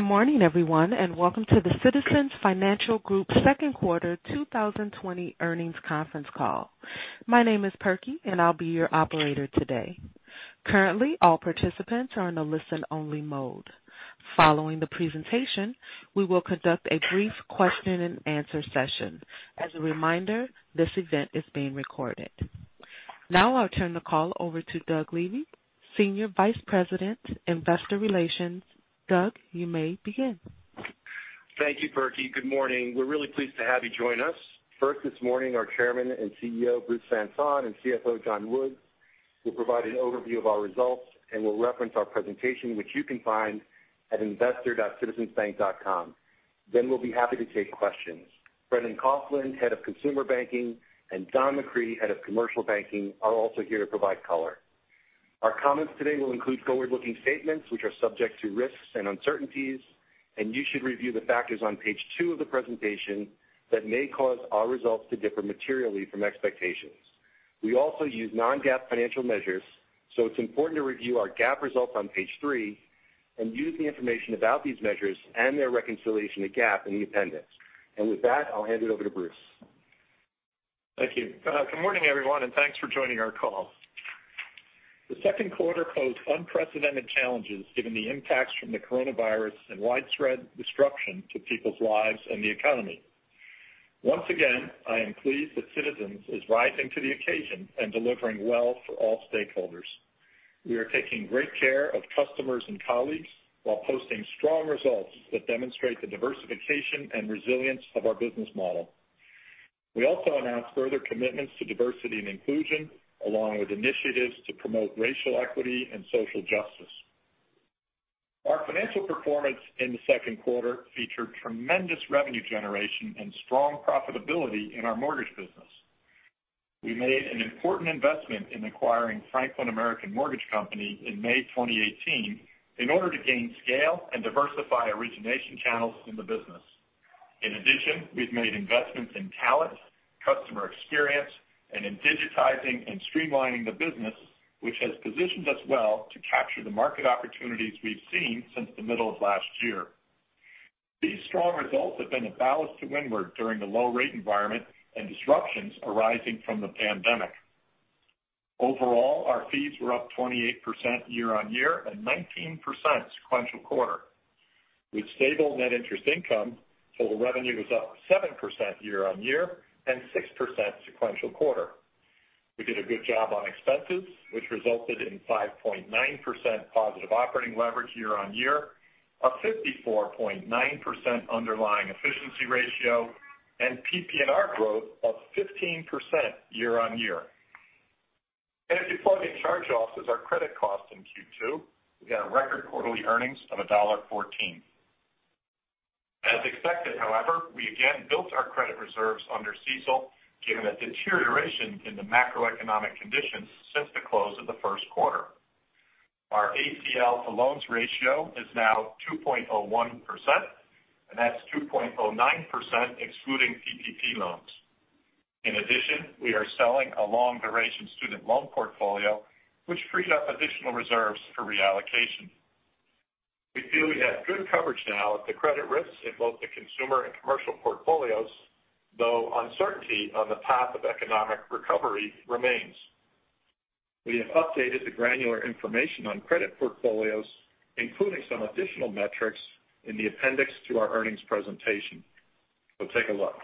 Good morning, everyone, and welcome to the Citizens Financial Group second quarter 2020 earnings conference call. My name is Perky, and I'll be your operator today. Currently, all participants are in a listen-only mode. Following the presentation, we will conduct a brief question and answer session. As a reminder, this event is being recorded. Now I'll turn the call over to Douglas Levy, Senior Vice President, Investor Relations. Doug, you may begin. Thank you, Perky. Good morning. We're really pleased to have you join us. This morning, our Chairman and CEO, Bruce Van Saun, and CFO, John Woods, will provide an overview of our results and will reference our presentation, which you can find at investor.citizensbank.com. We'll be happy to take questions. Brendan Coughlin, Head of Consumer Banking, and Don McCree, Head of Commercial Banking, are also here to provide color. Our comments today will include forward-looking statements which are subject to risks and uncertainties. You should review the factors on page two of the presentation that may cause our results to differ materially from expectations. We also use non-GAAP financial measures. It's important to review our GAAP results on page three and view the information about these measures and their reconciliation to GAAP in the appendix. With that, I'll hand it over to Bruce. Thank you. Good morning, everyone, and thanks for joining our call. The second quarter posed unprecedented challenges given the impacts from the coronavirus and widespread disruption to people's lives and the economy. Once again, I am pleased that Citizens is rising to the occasion and delivering well for all stakeholders. We are taking great care of customers and colleagues while posting strong results that demonstrate the diversification and resilience of our business model. We also announced further commitments to diversity and inclusion, along with initiatives to promote racial equity and social justice. Our financial performance in the second quarter featured tremendous revenue generation and strong profitability in our mortgage business. We made an important investment in acquiring Franklin American Mortgage Company in May 2018 in order to gain scale and diversify origination channels in the business. In addition, we've made investments in talent, customer experience, and in digitizing and streamlining the business, which has positioned us well to capture the market opportunities we've seen since the middle of last year. These strong results have been a ballast to windward during the low-rate environment and disruptions arising from the pandemic. Overall, our fees were up 28% year on year and 19% sequential quarter. With stable net interest income, total revenue was up 7% year on year and 6% sequential quarter. We did a good job on expenses, which resulted in 5.9% positive operating leverage year on year, a 54.9% underlying efficiency ratio, and PPNR growth of 15% year on year. If you plug in charge-offs as our credit cost in Q2, we've got a record quarterly earnings of $1.14. As expected, however, we again built our credit reserves under CECL given a deterioration in the macroeconomic conditions since the close of the first quarter. Our ACL to loans ratio is now 2.01%, and that's 2.09% excluding PPP loans. We are selling a long-duration student loan portfolio, which freed up additional reserves for reallocation. We feel we have good coverage now of the credit risks in both the consumer and commercial portfolios, though uncertainty on the path of economic recovery remains. We have updated the granular information on credit portfolios, including some additional metrics in the appendix to our earnings presentation. Take a look.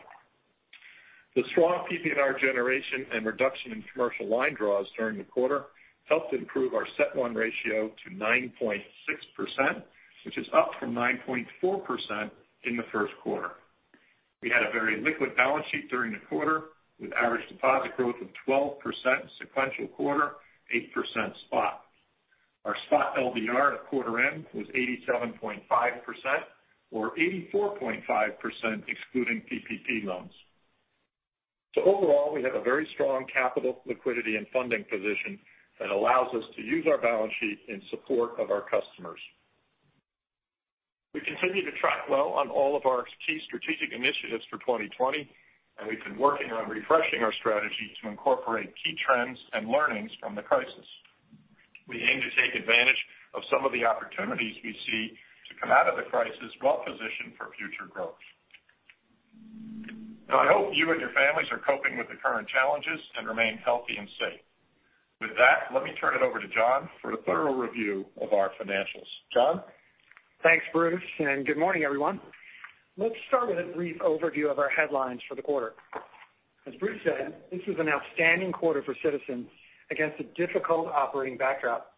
The strong PPNR generation and reduction in commercial line draws during the quarter helped improve our CET1 ratio to 9.6%, which is up from 9.4% in the first quarter. We had a very liquid balance sheet during the quarter, with average deposit growth of 12% sequential quarter, 8% spot. Our spot LDR at quarter end was 87.5%, or 84.5% excluding PPP loans. Overall, we have a very strong capital liquidity and funding position that allows us to use our balance sheet in support of our customers. We continue to track well on all of our key strategic initiatives for 2020, and we've been working on refreshing our strategy to incorporate key trends and learnings from the crisis. We aim to take advantage of some of the opportunities we see to come out of the crisis well-positioned for future growth. Now, I hope you and your families are coping with the current challenges and remain healthy and safe. With that, let me turn it over to John for a thorough review of our financials. John? Thanks, Bruce, and good morning, everyone. Let's start with a brief overview of our headlines for the quarter. As Bruce said, this is an outstanding quarter for Citizens against a difficult operating backdrop.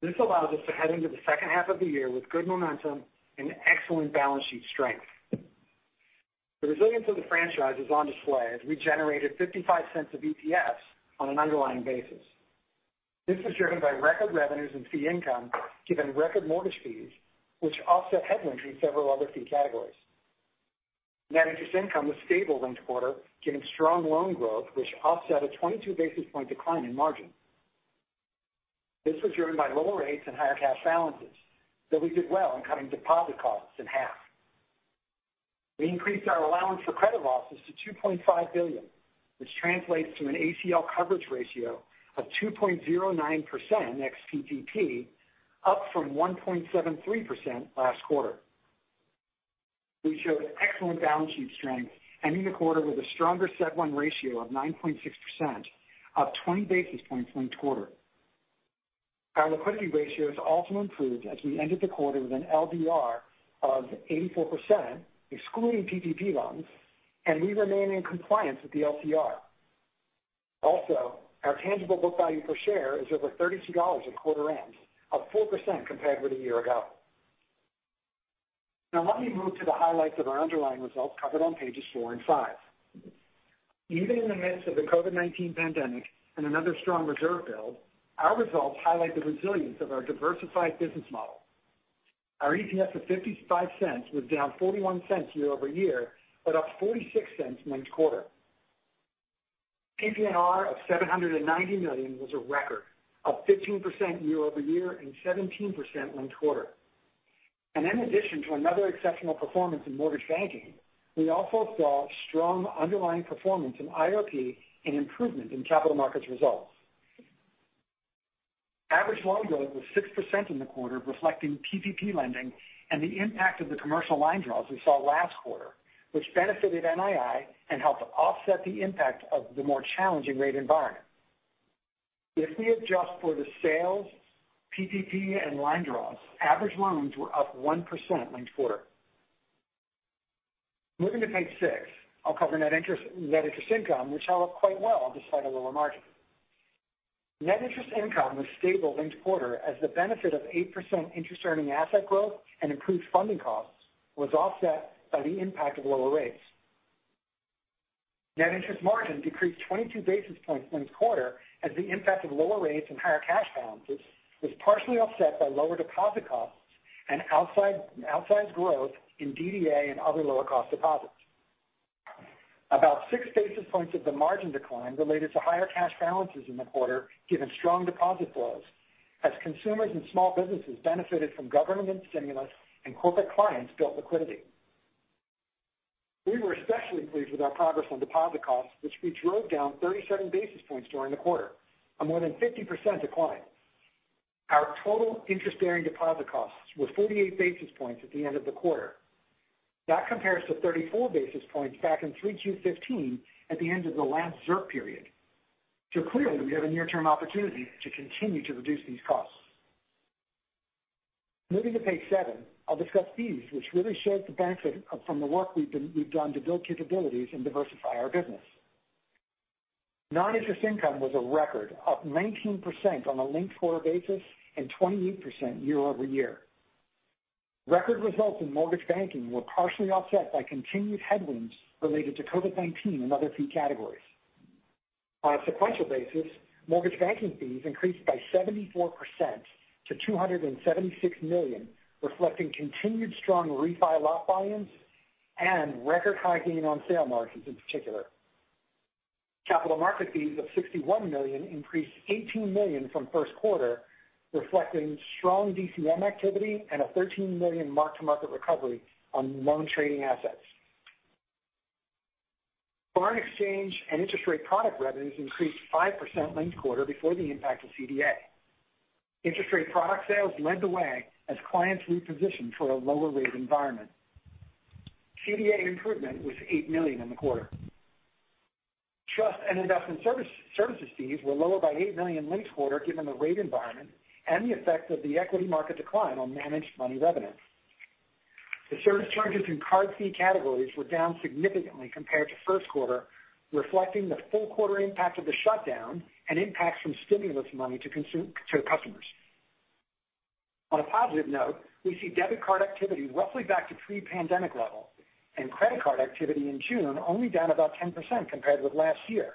This allows us to head into the second half of the year with good momentum and excellent balance sheet strength. The resilience of the franchise is on display as we generated $0.55 of EPS on an underlying basis. This is driven by record revenues and fee income, given record mortgage fees, which offset headwinds in several other fee categories. Net interest income was stable linked quarter, given strong loan growth, which offset a 22-basis-point decline in margin. This was driven by lower rates and higher cash balances, though we did well in cutting deposit costs in half. We increased our allowance for credit losses to $2.5 billion, which translates to an ACL coverage ratio of 2.09% ex-PPP, up from 1.73% last quarter. We showed excellent balance sheet strength, ending the quarter with a stronger CET1 ratio of 9.6%, up 20 basis points linked quarter. Our liquidity ratios also improved as we ended the quarter with an LDR of 84%, excluding PPP loans, and we remain in compliance with the LCR. Also, our tangible book value per share is over $32 at quarter end, up 4% compared with a year ago. Now let me move to the highlights of our underlying results covered on pages four and five. Even in the midst of the COVID-19 pandemic and another strong reserve build, our results highlight the resilience of our diversified business model. Our EPS of $0.55 was down $0.41 year-over-year, but up $0.46 linked-quarter. PPNR of $790 million was a record, up 15% year-over-year and 17% linked-quarter. In addition to another exceptional performance in mortgage banking, we also saw strong underlying performance in IOP and improvement in capital markets results. Average loan growth was 6% in the quarter, reflecting PPP lending and the impact of the commercial line draws we saw last quarter, which benefited NII and helped offset the impact of the more challenging rate environment. If we adjust for the sales, PPP, and line draws, average loans were up 1% linked-quarter. Moving to page six, I'll cover net interest income, which held up quite well despite a lower margin. Net interest income was stable linked quarter as the benefit of 8% interest-earning asset growth and improved funding costs was offset by the impact of lower rates. Net interest margin decreased 22 basis points linked quarter as the impact of lower rates and higher cash balances was partially offset by lower deposit costs and outsized growth in DDA and other lower cost deposits. About six basis points of the margin decline related to higher cash balances in the quarter given strong deposit flows as consumers and small businesses benefited from government stimulus and corporate clients built liquidity. We were especially pleased with our progress on deposit costs, which we drove down 37 basis points during the quarter, a more than 50% decline. Our total interest-bearing deposit costs were 48 basis points at the end of the quarter. That compares to 34 basis points back in 3Q 2015 at the end of the last ZIRP period. Clearly, we have a near-term opportunity to continue to reduce these costs. Moving to page seven, I'll discuss fees, which really showed the benefit from the work we've done to build capabilities and diversify our business. Non-interest income was a record, up 19% on a linked-quarter basis and 28% year-over-year. Record results in mortgage banking were partially offset by continued headwinds related to COVID-19 and other fee categories. On a sequential basis, mortgage banking fees increased by 74% to $276 million, reflecting continued strong refi lock clients and record high gain on sale margins in particular. Capital market fees of $61 million increased $18 million from first quarter, reflecting strong DCM activity and a $13 million mark to market recovery on loan trading assets. Foreign exchange and interest rate product revenues increased 5% linked quarter before the impact of CVA. Interest rate product sales led the way as clients repositioned for a lower rate environment. CVA improvement was $8 million in the quarter. Trust and investment services fees were lower by $8 million linked quarter given the rate environment and the effect of the equity market decline on managed money revenues. The service charges and card fee categories were down significantly compared to first quarter, reflecting the full quarter impact of the shutdown and impacts from stimulus money to customers. On a positive note, we see debit card activity roughly back to pre-pandemic level and credit card activity in June only down about 10% compared with last year,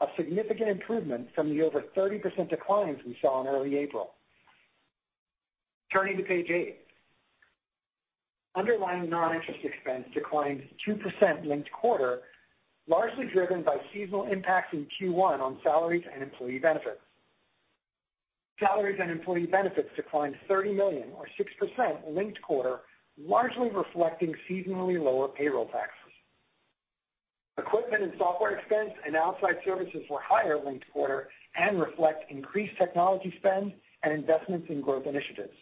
a significant improvement from the over 30% declines we saw in early April. Turning to page eight. Underlying non-interest expense declined 2% linked quarter, largely driven by seasonal impacts in Q1 on salaries and employee benefits. Salaries and employee benefits declined $30 million or 6% linked quarter, largely reflecting seasonally lower payroll taxes. Equipment and software expense and outside services were higher linked quarter and reflect increased technology spend and investments in growth initiatives.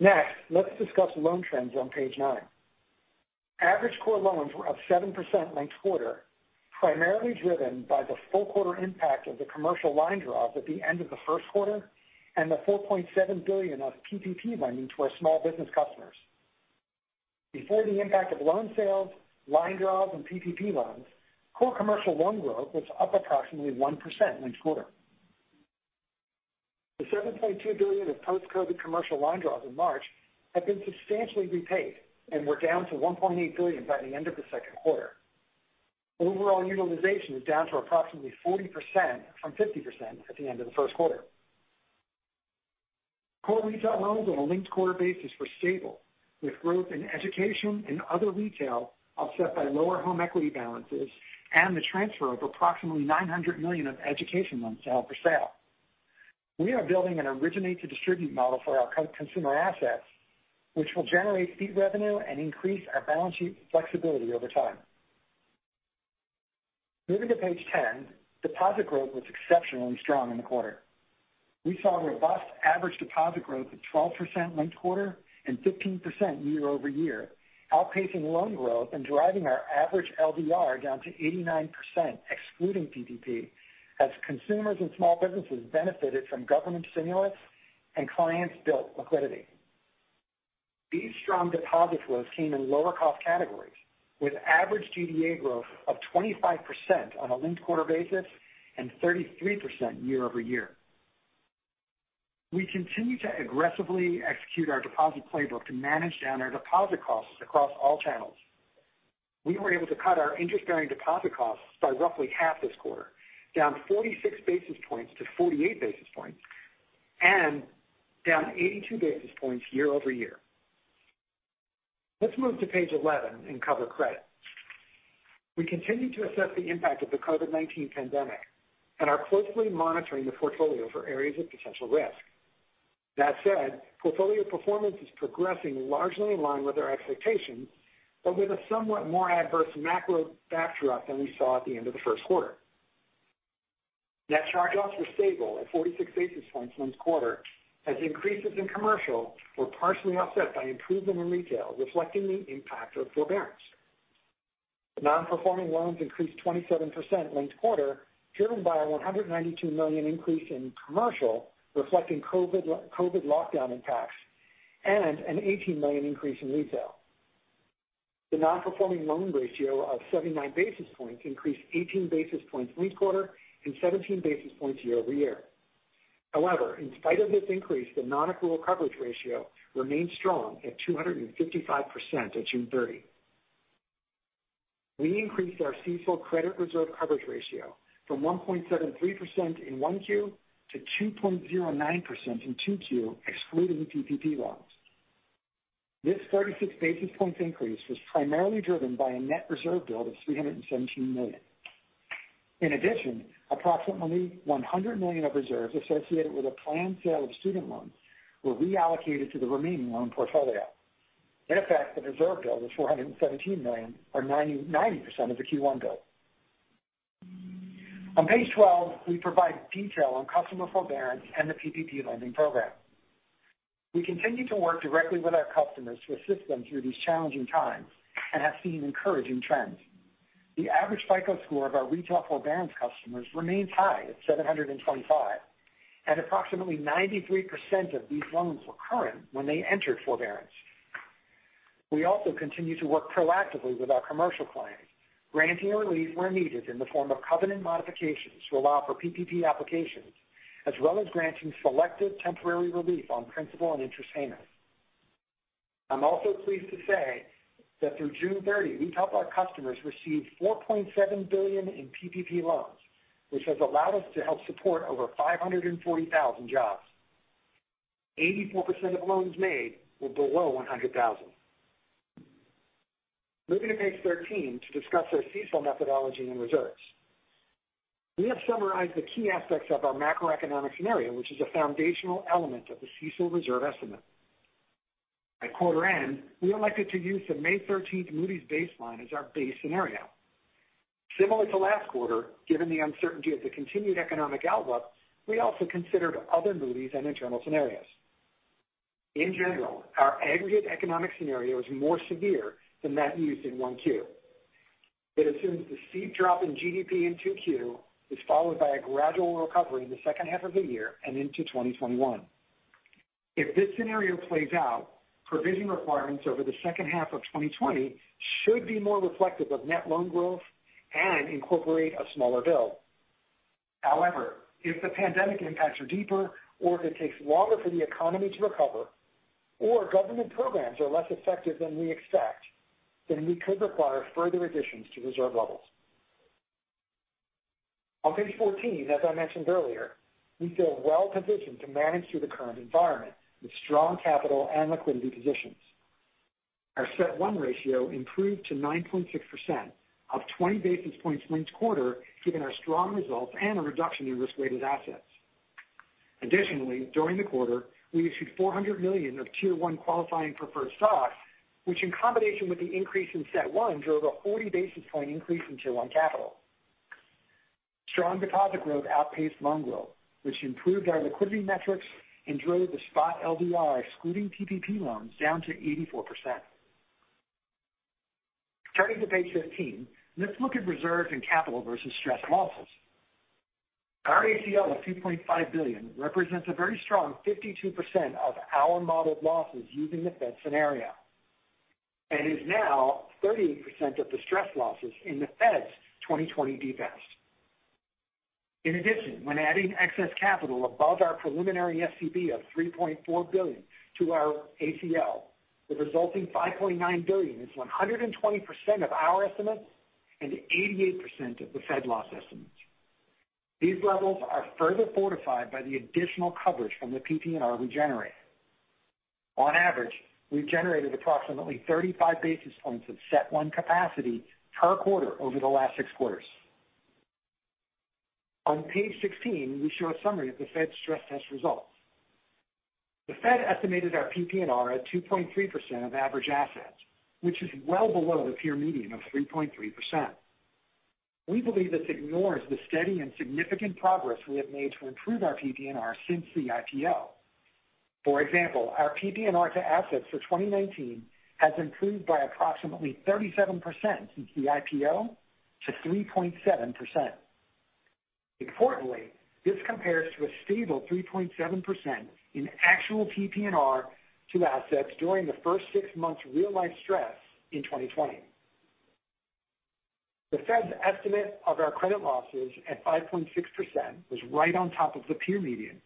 Next, let's discuss loan trends on page nine. Average core loans were up 7% linked quarter, primarily driven by the full quarter impact of the commercial line draws at the end of the first quarter and the $4.7 billion of PPP lending to our small business customers. Before the impact of loan sales, line draws, and PPP loans, core commercial loan growth was up approximately 1% linked quarter. The $7.2 billion of post-COVID commercial line draws in March have been substantially repaid and were down to $1.8 billion by the end of the second quarter. Overall utilization is down to approximately 40% from 50% at the end of the first quarter. Core retail loans on a linked quarter basis were stable, with growth in education and other retail offset by lower home equity balances and the transfer of approximately $900 million of education loans held for sale. We are building an originate to distribute model for our consumer assets, which will generate fee revenue and increase our balance sheet flexibility over time. Moving to page 10, deposit growth was exceptionally strong in the quarter. We saw robust average deposit growth of 12% linked quarter and 15% year-over-year, outpacing loan growth and driving our average LDR down to 89%, excluding PPP, as consumers and small businesses benefited from government stimulus and clients built liquidity. These strong deposit flows came in lower cost categories, with average DDA growth of 25% on a linked quarter basis and 33% year-over-year. We continue to aggressively execute our deposit playbook to manage down our deposit costs across all channels. We were able to cut our interest-bearing deposit costs by roughly half this quarter, down 46 basis points to 48 basis points, and down 82 basis points year-over-year. Let's move to page 11 and cover credit. We continue to assess the impact of the COVID-19 pandemic and are closely monitoring the portfolio for areas of potential risk. That said, portfolio performance is progressing largely in line with our expectations, but with a somewhat more adverse macro backdrop than we saw at the end of the first quarter. Net charge-offs were stable at 46 basis points linked quarter, as increases in commercial were partially offset by improvement in retail, reflecting the impact of forbearance. The non-performing loans increased 27% linked quarter, driven by a $192 million increase in commercial, reflecting COVID lockdown impacts, and an $18 million increase in retail. The non-performing loan ratio of 79 basis points increased 18 basis points linked quarter and 17 basis points year-over-year. In spite of this increase, the non-accrual coverage ratio remained strong at 255% at June 30. We increased our CECL credit reserve coverage ratio from 1.73% in 1Q to 2.09% in 2Q, excluding PPP loans. This 36 basis points increase was primarily driven by a net reserve build of $317 million. In addition, approximately $100 million of reserves associated with a planned sale of student loans were reallocated to the remaining loan portfolio. In effect, the reserve build was $417 million or 90% of the Q1 build. On page 12, we provide detail on customer forbearance and the PPP lending program. We continue to work directly with our customers to assist them through these challenging times and have seen encouraging trends. The average FICO score of our retail forbearance customers remains high at 725, and approximately 93% of these loans were current when they entered forbearance. We also continue to work proactively with our commercial clients, granting a relief where needed in the form of covenant modifications to allow for PPP applications, as well as granting selective temporary relief on principal and interest payments. I'm also pleased to say that through June 30, we've helped our customers receive $4.7 billion in PPP loans, which has allowed us to help support over 540,000 jobs. 84% of loans made were below 100,000. Moving to page 13 to discuss our CECL methodology and reserves. We have summarized the key aspects of our macroeconomic scenario, which is a foundational element of the CECL reserve estimate. At quarter end, we elected to use the May 13th Moody's baseline as our base scenario. Similar to last quarter, given the uncertainty of the continued economic outlook, we also considered other Moody's and internal scenarios. In general, our aggregate economic scenario is more severe than that used in 1Q. It assumes the steep drop in GDP in 2Q is followed by a gradual recovery in the second half of the year and into 2021. If this scenario plays out, provision requirements over the second half of 2020 should be more reflective of net loan growth and incorporate a smaller build. If the pandemic impacts are deeper or if it takes longer for the economy to recover, or government programs are less effective than we expect, then we could require further additions to reserve levels. On page 14, as I mentioned earlier, we feel well-positioned to manage through the current environment with strong capital and liquidity positions. Our CET1 ratio improved to 9.6%, up 20 basis points linked-quarter, given our strong results and a reduction in risk-weighted assets. During the quarter, we issued $400 million of Tier 1 qualifying preferred stock, which in combination with the increase in CET1, drove a 40 basis point increase in Tier 1 capital. Strong deposit growth outpaced loan growth, which improved our liquidity metrics and drove the spot LDR, excluding PPP loans, down to 84%. Turning to page 15, let's look at reserves and capital versus stressed losses. Our ACL of $2.5 billion represents a very strong 52% of our modeled losses using the Fed's scenario and is now 38% of the stress losses in the Fed's 2020 DFAST. In addition, when adding excess capital above our preliminary SCB of $3.4 billion to our ACL, the resulting $5.9 billion is 120% of our estimates and 88% of the Fed loss estimates. These levels are further fortified by the additional coverage from the PPNR we generated. On average, we've generated approximately 35 basis points of Tier 1 capacity per quarter over the last six quarters. On page 16, we show a summary of the Fed's stress test results. The Fed estimated our PPNR at 2.3% of average assets, which is well below the peer median of 3.3%. We believe this ignores the steady and significant progress we have made to improve our PPNR since the IPO. For example, our PPNR to assets for 2019 has improved by approximately 37% since the IPO to 3.7%. Importantly, this compares to a stable 3.7% in actual PPNR to assets during the first six months real-life stress in 2020. The Fed's estimate of our credit losses at 5.6% was right on top of the peer median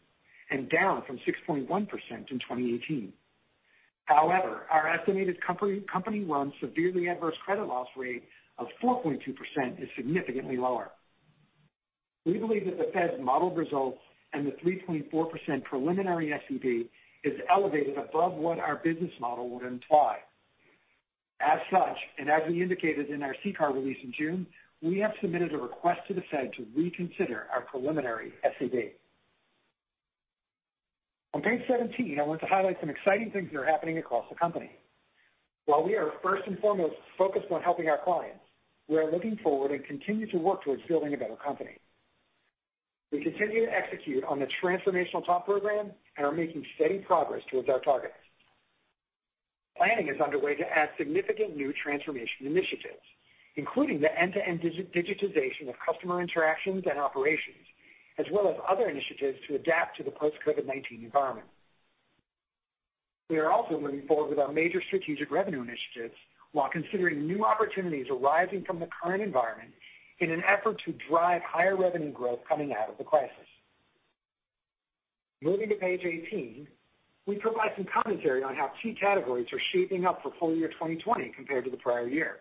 and down from 6.1% in 2018. However, our estimated company-run severely adverse credit loss rate of 4.2% is significantly lower. We believe that the Fed's modeled results and the 3.4% preliminary SCB is elevated above what our business model would imply. As such, and as we indicated in our CCAR release in June, we have submitted a request to the Fed to reconsider our preliminary SCB. On page 17, I want to highlight some exciting things that are happening across the company. While we are first and foremost focused on helping our clients, we are looking forward and continue to work towards building a better company. We continue to execute on the transformational TOP program and are making steady progress towards our targets. Planning is underway to add significant new transformation initiatives, including the end-to-end digitization of customer interactions and operations, as well as other initiatives to adapt to the post-COVID-19 environment. We are also moving forward with our major strategic revenue initiatives while considering new opportunities arising from the current environment in an effort to drive higher revenue growth coming out of the crisis. Moving to page 18, we provide some commentary on how key categories are shaping up for full year 2020 compared to the prior year.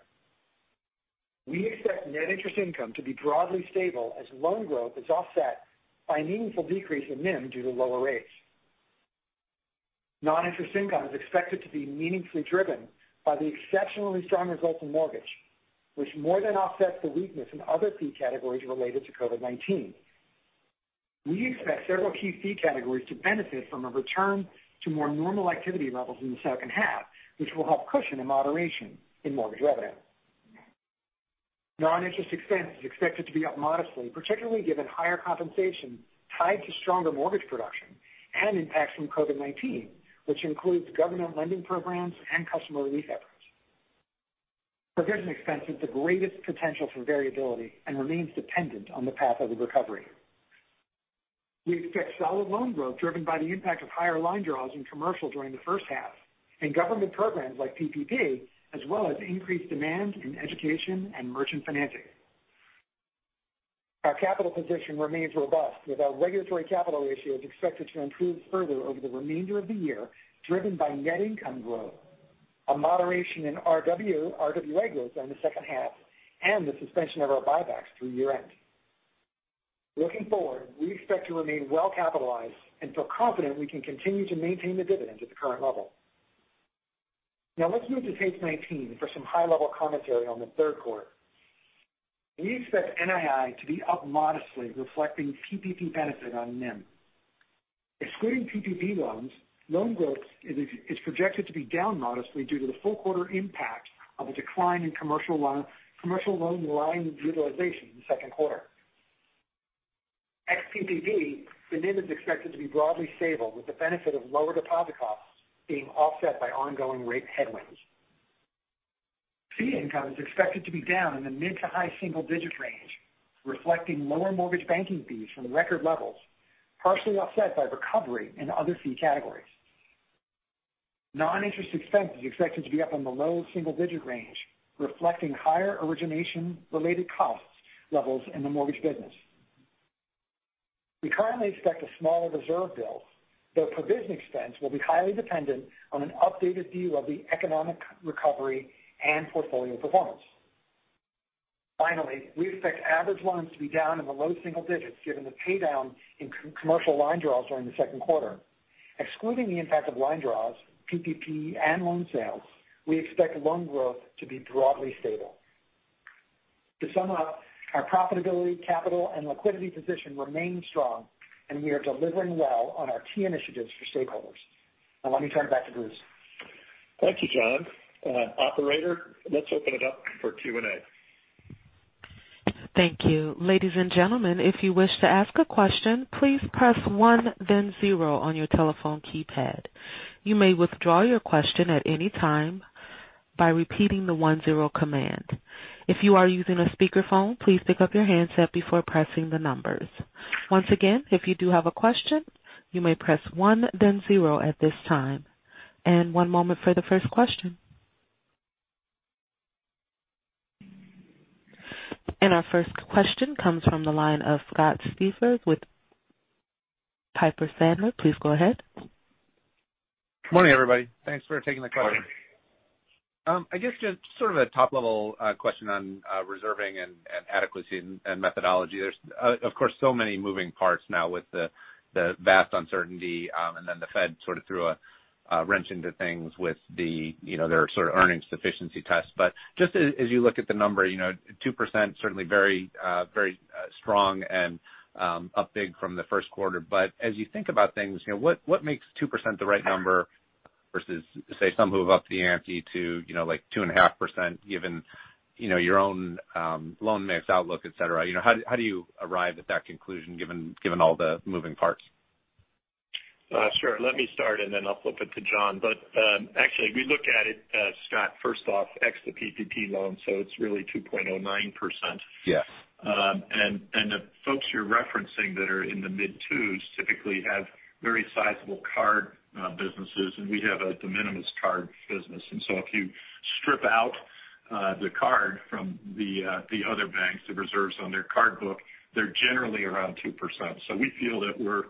We expect net interest income to be broadly stable as loan growth is offset by a meaningful decrease in NIM due to lower rates. Non-interest income is expected to be meaningfully driven by the exceptionally strong results in mortgage, which more than offsets the weakness in other fee categories related to COVID-19. We expect several key fee categories to benefit from a return to more normal activity levels in the second half, which will help cushion a moderation in mortgage revenue. Non-interest expense is expected to be up modestly, particularly given higher compensation tied to stronger mortgage production and impacts from COVID-19, which includes government lending programs and customer relief efforts. Provision expense has the greatest potential for variability and remains dependent on the path of the recovery. We expect solid loan growth driven by the impact of higher line draws in commercial during the first half and government programs like PPP, as well as increased demand in education and merchant financing. Our capital position remains robust with our regulatory capital ratios expected to improve further over the remainder of the year, driven by net income growth, a moderation in RWA growth in the second half, and the suspension of our buybacks through year-end. Looking forward, we expect to remain well capitalized and feel confident we can continue to maintain the dividend at the current level. Now let's move to page 19 for some high-level commentary on the third quarter. We expect NII to be up modestly, reflecting PPP benefit on NIM. Excluding PPP loans, loan growth is projected to be down modestly due to the full quarter impact of a decline in commercial loan line utilization in the second quarter. Ex PPP, the NIM is expected to be broadly stable with the benefit of lower deposit costs being offset by ongoing rate headwinds. Fee income is expected to be down in the mid to high single-digit range, reflecting lower mortgage banking fees from record levels, partially offset by recovery in other fee categories. Non-interest expense is expected to be up in the low single-digit range, reflecting higher origination-related cost levels in the mortgage business. We currently expect a smaller reserve build, though provision expense will be highly dependent on an updated view of the economic recovery and portfolio performance. Finally, we expect average loans to be down in the low single digits given the pay down in commercial line draws during the second quarter. Excluding the impact of line draws, PPP, and loan sales, we expect loan growth to be broadly stable. To sum up, our profitability, capital, and liquidity position remain strong, and we are delivering well on our key initiatives for stakeholders. Now let me turn it back to Bruce. Thank you, John. Operator, let's open it up for Q&A. Thank you. Ladies and gentlemen, if you wish to ask a question, please press one then zero on your telephone keypad. You may withdraw your question at any time by repeating the one zero command. If you are using a speakerphone, please pick up your handset before pressing the numbers. Once again, if you do have a question, you may press one then zero at this time. One moment for the first question. Our first question comes from the line of Scott Siefers with Piper Sandler. Please go ahead. Morning, everybody. Thanks for taking the call. I guess just a top-level question on reserving and adequacy and methodology. There's, of course, so many moving parts now with the vast uncertainty, and then the Fed threw a wrench into things with their earnings sufficiency test. Just as you look at the number, 2%, certainly very strong and up big from the first quarter. As you think about things, what makes 2% the right number versus, say, some who have upped the ante to 2.5% given your own loan mix outlook, et cetera? How do you arrive at that conclusion, given all the moving parts? Sure. Let me start, and then I'll flip it to John. Actually, we look at it, Scott, first off, ex the PPP loans, so it's really 2.09%. Yes. The folks you're referencing that are in the mid twos typically have very sizable card businesses, and we have a de minimis card business. If you strip out the card from the other banks, the reserves on their card book, they're generally around 2%. We feel that we're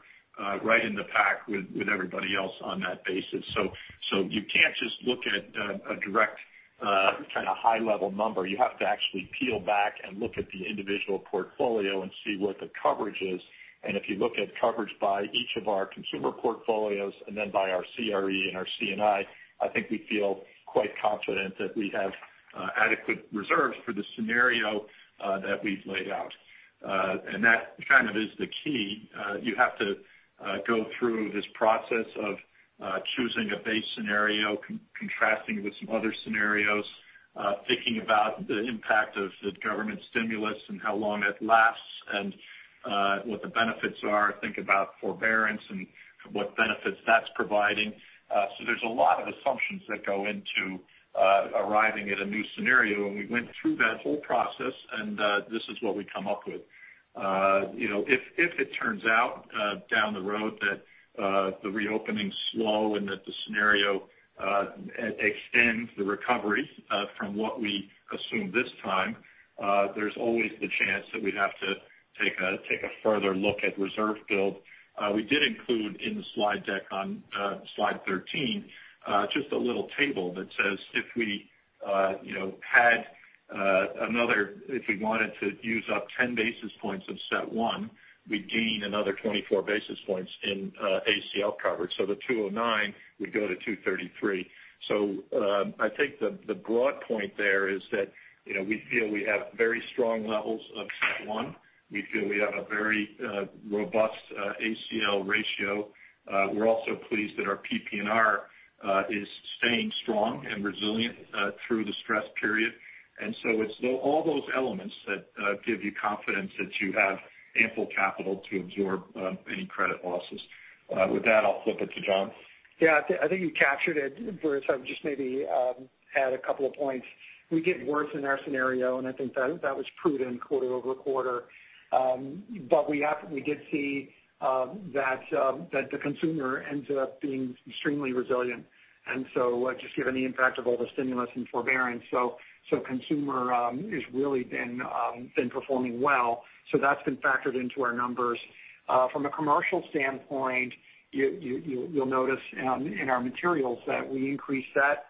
right in the pack with everybody else on that basis. You can't just look at a direct kind of high-level number. You have to actually peel back and look at the individual portfolio and see what the coverage is. If you look at coverage by each of our consumer portfolios and then by our CRE and our C&I think we feel quite confident that we have adequate reserves for the scenario that we've laid out. That kind of is the key. You have to go through this process of choosing a base scenario, contrasting with some other scenarios, thinking about the impact of the government stimulus and how long it lasts and what the benefits are. Think about forbearance and what benefits that's providing. There's a lot of assumptions that go into arriving at a new scenario, and we went through that whole process, and this is what we come up with. If it turns out down the road that the reopening's slow and that the scenario extends the recovery from what we assume this time, there's always the chance that we'd have to take a further look at reserve build. We did include in the slide deck on slide 13 just a little table that says if we wanted to use up 10 basis points of CET1, we'd gain another 24 basis points in ACL coverage. The 209 would go to 233. I think the broad point there is that we feel we have very strong levels of CET1. We feel we have a very robust ACL ratio. We're also pleased that our PPNR is staying strong and resilient through the stress period. It's all those elements that give you confidence that you have ample capital to absorb any credit losses. With that, I'll flip it to John. Yeah, I think you captured it, Bruce. I would just maybe add a couple of points. We did worse in our scenario, and I think that was prudent quarter-over-quarter. We did see that the consumer ends up being extremely resilient, just given the impact of all the stimulus and forbearance. The consumer has really been performing well. That's been factored into our numbers. From a commercial standpoint, you'll notice in our materials that we increased that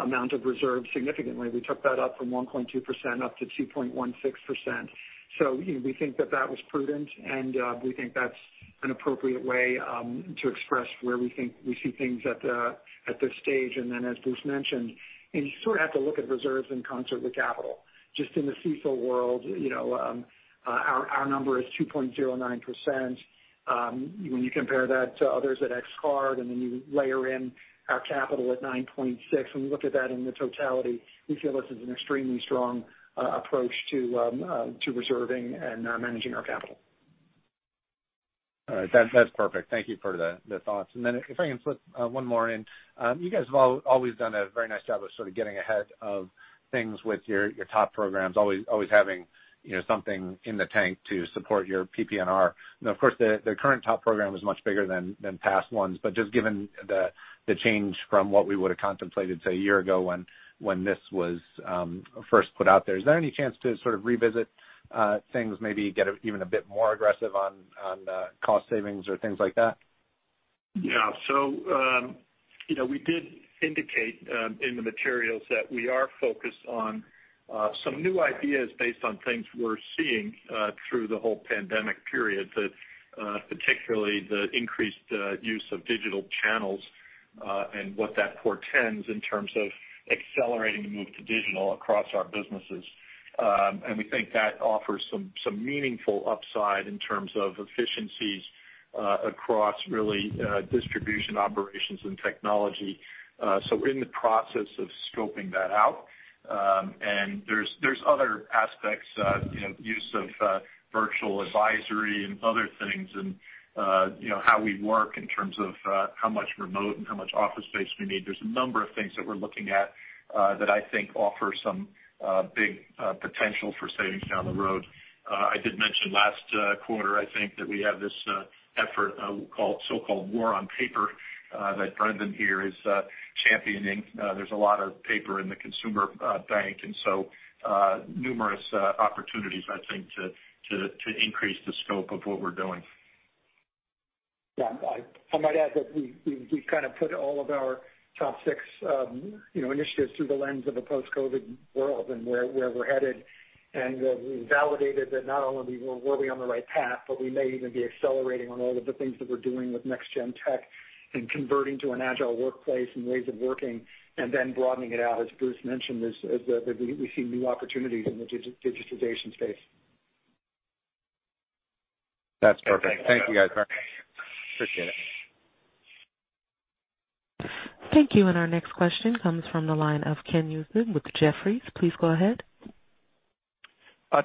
amount of reserves significantly. We took that up from 1.2% up to 2.16%. We think that that was prudent, and we think that's an appropriate way to express where we see things at this stage. As Bruce mentioned, you sort of have to look at reserves in concert with capital. Just in the CECL world our number is 2.09%. When you compare that to others at ex card, then you layer in our capital at 9.6, when we look at that in the totality, we feel this is an extremely strong approach to reserving and managing our capital. All right. That's perfect. Thank you for the thoughts. If I can slip one more in. You guys have always done a very nice job of sort of getting ahead of things with your TOP programs, always having something in the tank to support your PPNR. Now, of course, the current TOP program is much bigger than past ones. Just given the change from what we would've contemplated, say, a year ago when this was first put out there, is there any chance to sort of revisit things, maybe get even a bit more aggressive on cost savings or things like that? Yeah. We did indicate in the materials that we are focused on some new ideas based on things we're seeing through the whole pandemic period. Particularly the increased use of digital channels and what that portends in terms of accelerating the move to digital across our businesses. We think that offers some meaningful upside in terms of efficiencies across really distribution operations and technology. We're in the process of scoping that out. There's other aspects, use of virtual advisory and other things and how we work in terms of how much remote and how much office space we need. There's a number of things that we're looking at that I think offer some big potential for savings down the road. I did mention last quarter, I think that we have this effort so-called War on Paper that Brendan here is championing. There's a lot of paper in the consumer bank and so numerous opportunities, I think, to increase the scope of what we're doing. Yeah. I might add that we kind of put all of our top six initiatives through the lens of a post-COVID world and where we're headed, and we validated that not only were we on the right path, but we may even be accelerating on all of the things that we're doing with next gen tech and converting to an agile workplace and ways of working and then broadening it out, as Bruce mentioned, as we see new opportunities in the digitization space. That's perfect. Thank you, guys. Appreciate it. Thank you. Our next question comes from the line of Ken Usdin with Jefferies. Please go ahead.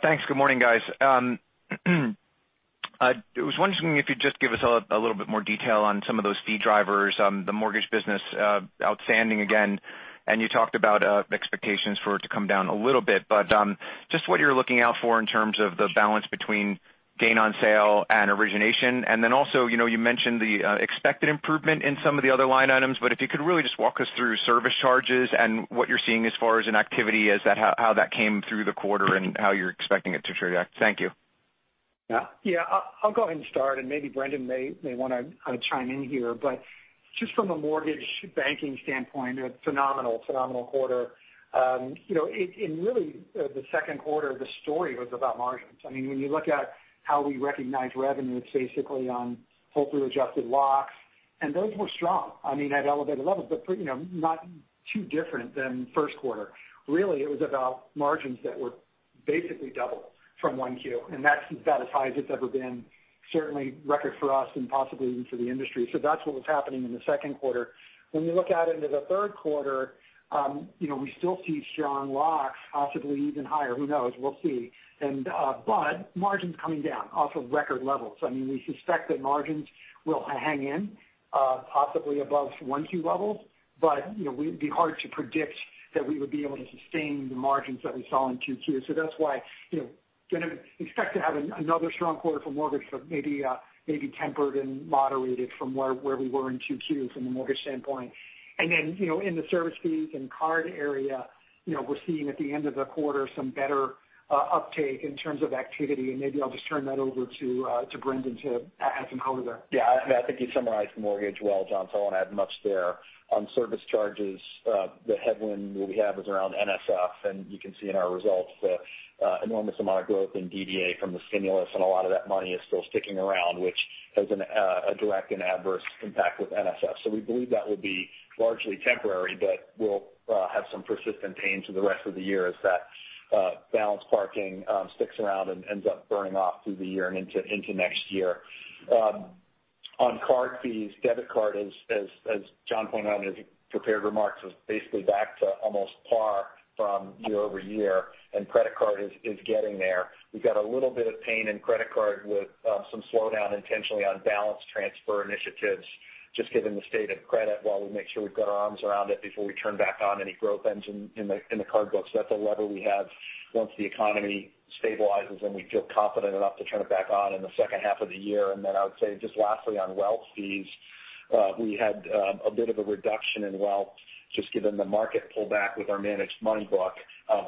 Thanks. Good morning, guys. I was wondering if you'd just give us a little bit more detail on some of those fee drivers. The mortgage business, outstanding again. You talked about expectations for it to come down a little bit. Just what you're looking out for in terms of the balance between gain on sale and origination, and then also, you mentioned the expected improvement in some of the other line items. If you could really just walk us through service charges and what you're seeing as far as in activity as how that came through the quarter and how you're expecting it to react. Thank you. Yeah. I'll go ahead and start, and maybe Brendan may want to chime in here, but just from a mortgage banking standpoint, a phenomenal quarter. In really the second quarter, the story was about margins. When you look at how we recognize revenue, it's basically on pull through adjusted locks. Those were strong at elevated levels, but not too different than first quarter. Really, it was about margins that were basically double from one Q, and that's about as high as it's ever been. Certainly record for us and possibly even for the industry. That's what was happening in the second quarter. When we look out into the third quarter, we still see strong locks, possibly even higher. Who knows? We'll see. Margins coming down off of record levels. We suspect that margins will hang in possibly above one Q levels. It'd be hard to predict that we would be able to sustain the margins that we saw in 2Q. That's why expect to have another strong quarter for mortgage, but maybe tempered and moderated from where we were in 2Q from a mortgage standpoint. Then in the service fees and card area, we're seeing at the end of the quarter some better uptake in terms of activity. Maybe I'll just turn that over to Brendan to add some color there. Yeah. I think you summarized mortgage well, John. I won't add much there. On service charges, the headwind that we have is around NSF, and you can see in our results the enormous amount of growth in DDA from the stimulus, and a lot of that money is still sticking around, which has a direct and adverse impact with NSF. We believe that will be largely temporary, but we'll have some persistent pain through the rest of the year as that balance parking sticks around and ends up burning off through the year and into next year. On card fees, debit card, as John pointed out in his prepared remarks, is basically back to almost par from year-over-year. Credit card is getting there. We've got a little bit of pain in credit card with some slowdown intentionally on balance transfer initiatives, just given the state of credit while we make sure we've got our arms around it before we turn back on any growth engine in the card books. That's a lever we have once the economy stabilizes and we feel confident enough to turn it back on in the second half of the year. I would say just lastly on wealth fees, we had a bit of a reduction in wealth just given the market pullback with our managed money book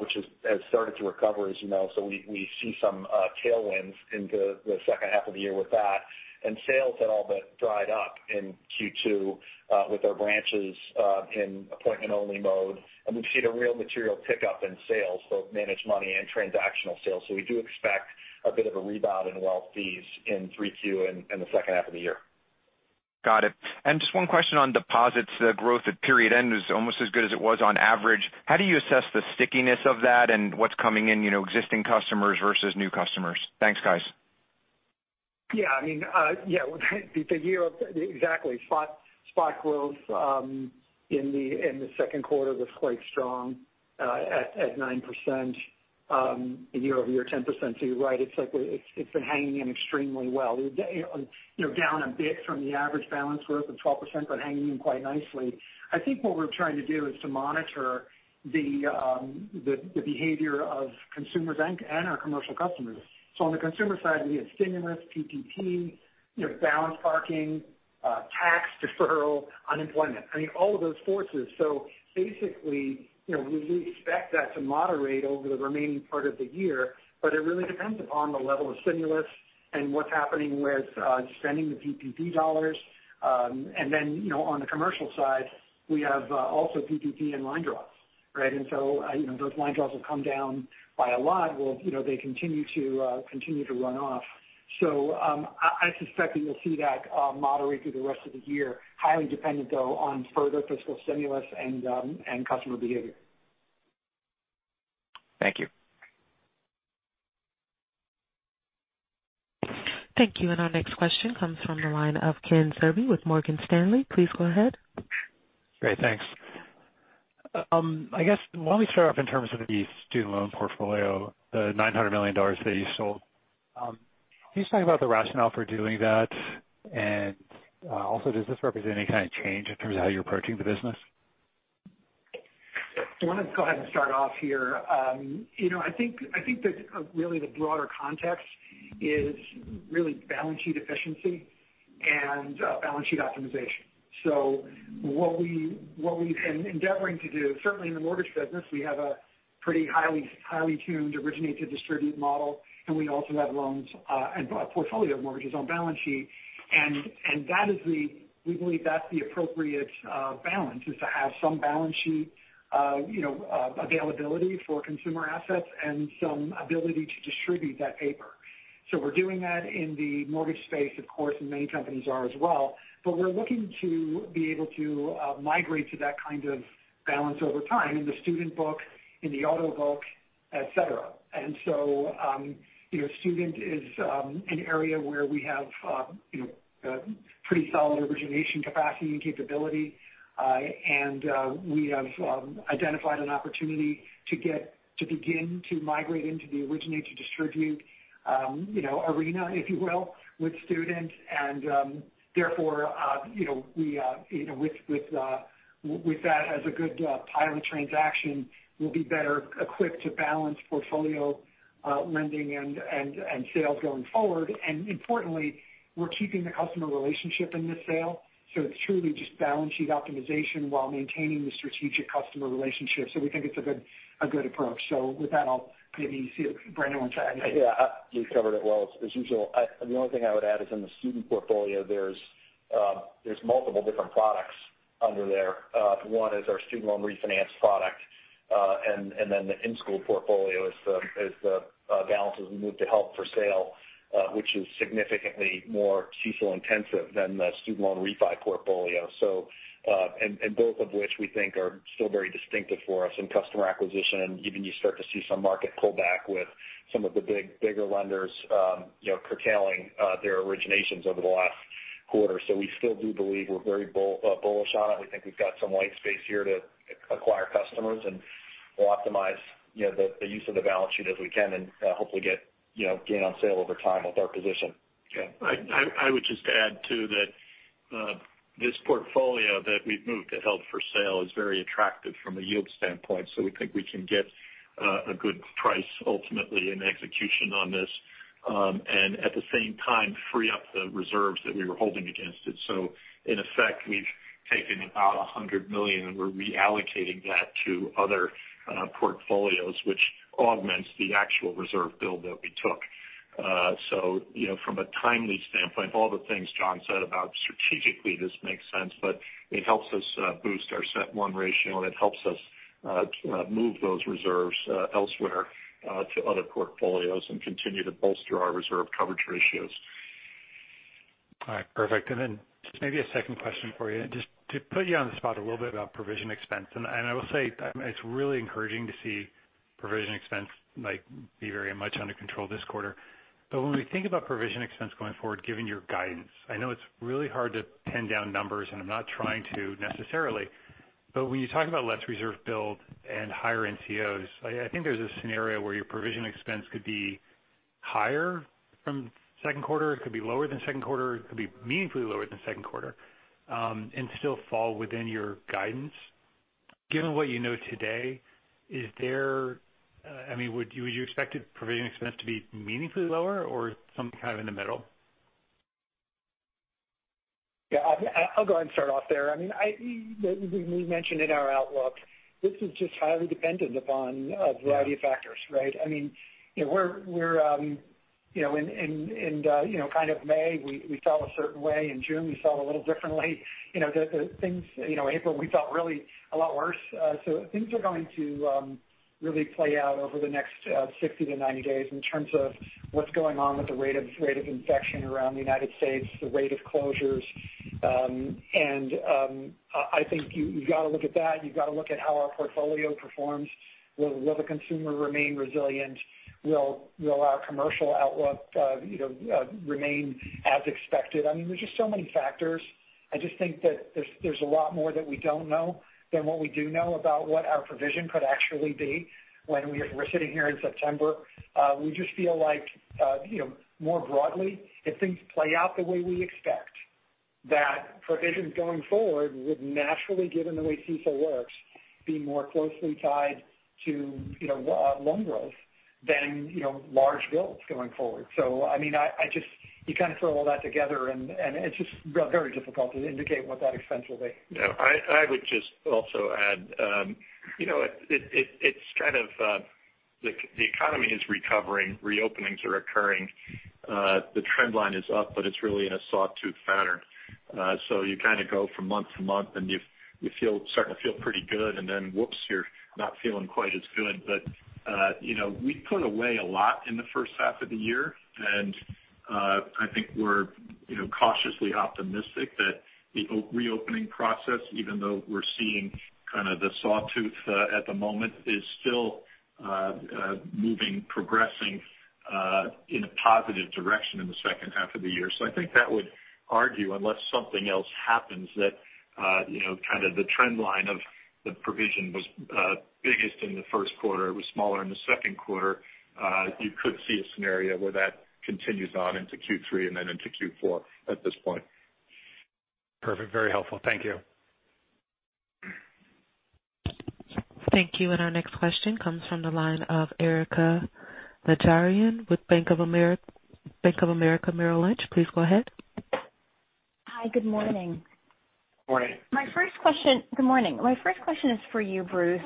which has started to recover, as you know. We see some tailwinds into the second half of the year with that. Sales had all but dried up in Q2 with our branches in appointment-only mode. We've seen a real material pickup in sales, both managed money and transactional sales. We do expect a bit of a rebound in wealth fees in three Q and the second half of the year. Got it. Just one question on deposits. The growth at period end was almost as good as it was on average. How do you assess the stickiness of that and what's coming in existing customers versus new customers? Thanks, guys. Yeah. Exactly. Spot growth in the second quarter was quite strong at 9% and year-over-year 10%. You're right. It's been hanging in extremely well. Down a bit from the average balance growth of 12%, but hanging in quite nicely. I think what we're trying to do is to monitor the behavior of consumers and our commercial customers. On the consumer side, we have stimulus, PPP, balance parking, tax deferral, unemployment. All of those forces. Basically, we expect that to moderate over the remaining part of the year. It really depends upon the level of stimulus and what's happening with spending the PPP dollars. On the commercial side, we have also PPP and line draws, right? Those line draws will come down by a lot. They continue to run off. I suspect that you'll see that moderate through the rest of the year. Highly dependent, though, on further fiscal stimulus and customer behavior. Thank you. Thank you. Our next question comes from the line of Ken Zerbe with Morgan Stanley. Please go ahead. Great. Thanks. I guess why don't we start off in terms of the student loan portfolio, the $900 million that you sold. Can you just talk about the rationale for doing that? Also, does this represent any kind of change in terms of how you're approaching the business? Why don't I go ahead and start off here? I think that really the broader context is really balance sheet efficiency and Balance Sheet Optimization. What we've been endeavoring to do, certainly in the mortgage business, we have a pretty highly tuned originate-to-distribute model, and we also have loans and a portfolio of mortgages on balance sheet. We believe that's the appropriate balance, is to have some balance sheet availability for consumer assets and some ability to distribute that paper. We're doing that in the mortgage space, of course, and many companies are as well. We're looking to be able to migrate to that kind of balance over time in the student book, in the auto book, et cetera. Student is an area where we have pretty solid origination capacity and capability. We have identified an opportunity to begin to migrate into the originate-to-distribute arena, if you will, with students. Therefore, with that as a good pilot transaction, we'll be better equipped to balance portfolio lending and sales going forward. Importantly, we're keeping the customer relationship in this sale. It's truly just Balance Sheet Optimization while maintaining the strategic customer relationship. We think it's a good approach. With that, I'll maybe see if Brendan wants to add anything. Yeah. You've covered it well, as usual. The only thing I would add is in the student portfolio, there's multiple different products under there. One is our student loan refinance product, and then the in-school portfolio is the balances we moved to held for sale, which is significantly more CECL intensive than the student loan refi portfolio. Both of which we think are still very distinctive for us in customer acquisition. Even you start to see some market pullback with some of the bigger lenders curtailing their originations over the last quarter. We still do believe we're very bullish on it. We think we've got some white space here to acquire customers, and we'll optimize the use of the balance sheet as we can and hopefully gain on sale over time with our position. Okay. I would just add, too, that this portfolio that we've moved to held for sale is very attractive from a yield standpoint. We think we can get a good price ultimately in execution on this. At the same time, free up the reserves that we were holding against it. In effect, we've taken about $100 million, and we're reallocating that to other portfolios, which augments the actual reserve build that we took. From a timely standpoint, all the things John said about strategically this makes sense, but it helps us boost our CET1 ratio, and it helps us move those reserves elsewhere to other portfolios and continue to bolster our reserve coverage ratios. All right, perfect. Then just maybe a second question for you. Just to put you on the spot a little bit about provision expense. I will say it's really encouraging to see provision expense be very much under control this quarter. When we think about provision expense going forward, given your guidance, I know it's really hard to pin down numbers, and I'm not trying to necessarily. When you talk about less reserve build and higher NCOs, I think there's a scenario where your provision expense could be higher from second quarter, it could be lower than second quarter, it could be meaningfully lower than second quarter, and still fall within your guidance. Given what you know today, would you expect provision expense to be meaningfully lower or kind of in the middle? Yeah. I'll go ahead and start off there. We mentioned in our outlook, this is just highly dependent upon a variety of factors, right? In May, we felt a certain way. In June, we felt a little differently. April, we felt really a lot worse. Things are going to really play out over the next 60-90 days in terms of what's going on with the rate of infection around the U.S., the rate of closures. I think you've got to look at that. You've got to look at how our portfolio performs. Will the consumer remain resilient? Will our commercial outlook remain as expected? There's just so many factors. I just think that there's a lot more that we don't know than what we do know about what our provision could actually be when we're sitting here in September. We just feel like, more broadly, if things play out the way we expect, that provisions going forward would naturally, given the way CECL works, be more closely tied to loan growth than large builds going forward. You kind of throw all that together, and it's just very difficult to indicate what that expense will be. Yeah. I would just also add, the economy is recovering. Reopenings are occurring. The trend line is up, but it's really in a sawtooth pattern. You kind of go from month to month, and you're starting to feel pretty good, and then whoops, you're not feeling quite as good. We put away a lot in the first half of the year, and I think we're cautiously optimistic that the reopening process, even though we're seeing kind of the sawtooth at the moment, is still moving, progressing in a positive direction in the second half of the year. I think that would argue, unless something else happens, that kind of the trend line of the provision was biggest in the first quarter. It was smaller in the second quarter. You could see a scenario where that continues on into Q3 and then into Q4 at this point. Perfect. Very helpful. Thank you. Thank you. Our next question comes from the line of Erika Najarian with Bank of America Merrill Lynch. Please go ahead. Hi, good morning. Morning. Good morning. My first question is for you, Bruce.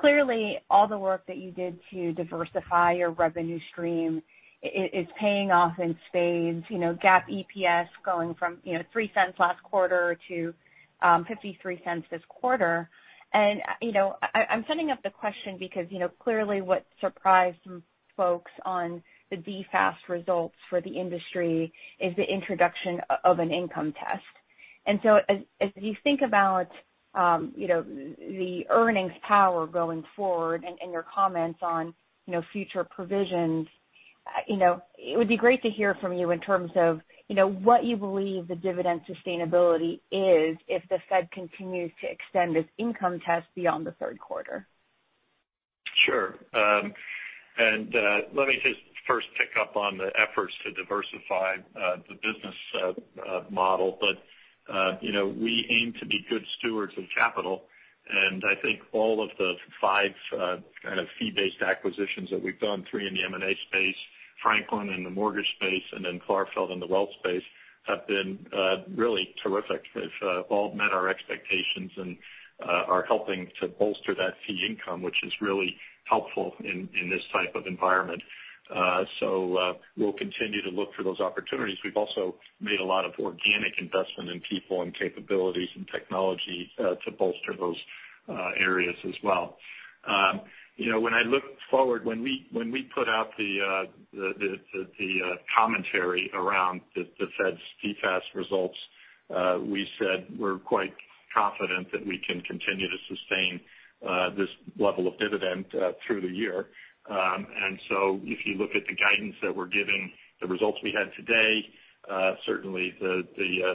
Clearly, all the work that you did to diversify your revenue stream is paying off in spades. GAAP EPS going from $0.03 last quarter to $0.53 this quarter. I'm setting up the question because, clearly what surprised folks on the DFAST results for the industry is the introduction of an income test. As you think about the earnings power going forward and your comments on future provisions, it would be great to hear from you in terms of what you believe the dividend sustainability is if the Fed continues to extend this income test beyond the third quarter. Sure. Let me just first pick up on the efforts to diversify the business model. We aim to be good stewards of capital, and I think all of the 5 kind of fee-based acquisitions that we've done, 3 in the M&A space, Franklin in the mortgage space, and then Clarfeld in the wealth space, have been really terrific. They've all met our expectations and are helping to bolster that fee income, which is really helpful in this type of environment. We'll continue to look for those opportunities. We've also made a lot of organic investment in people and capabilities and technology to bolster those areas as well. When I look forward, when we put out the commentary around the Fed's DFAST results, we said we're quite confident that we can continue to sustain this level of dividend through the year. If you look at the guidance that we're giving, the results we had today, certainly the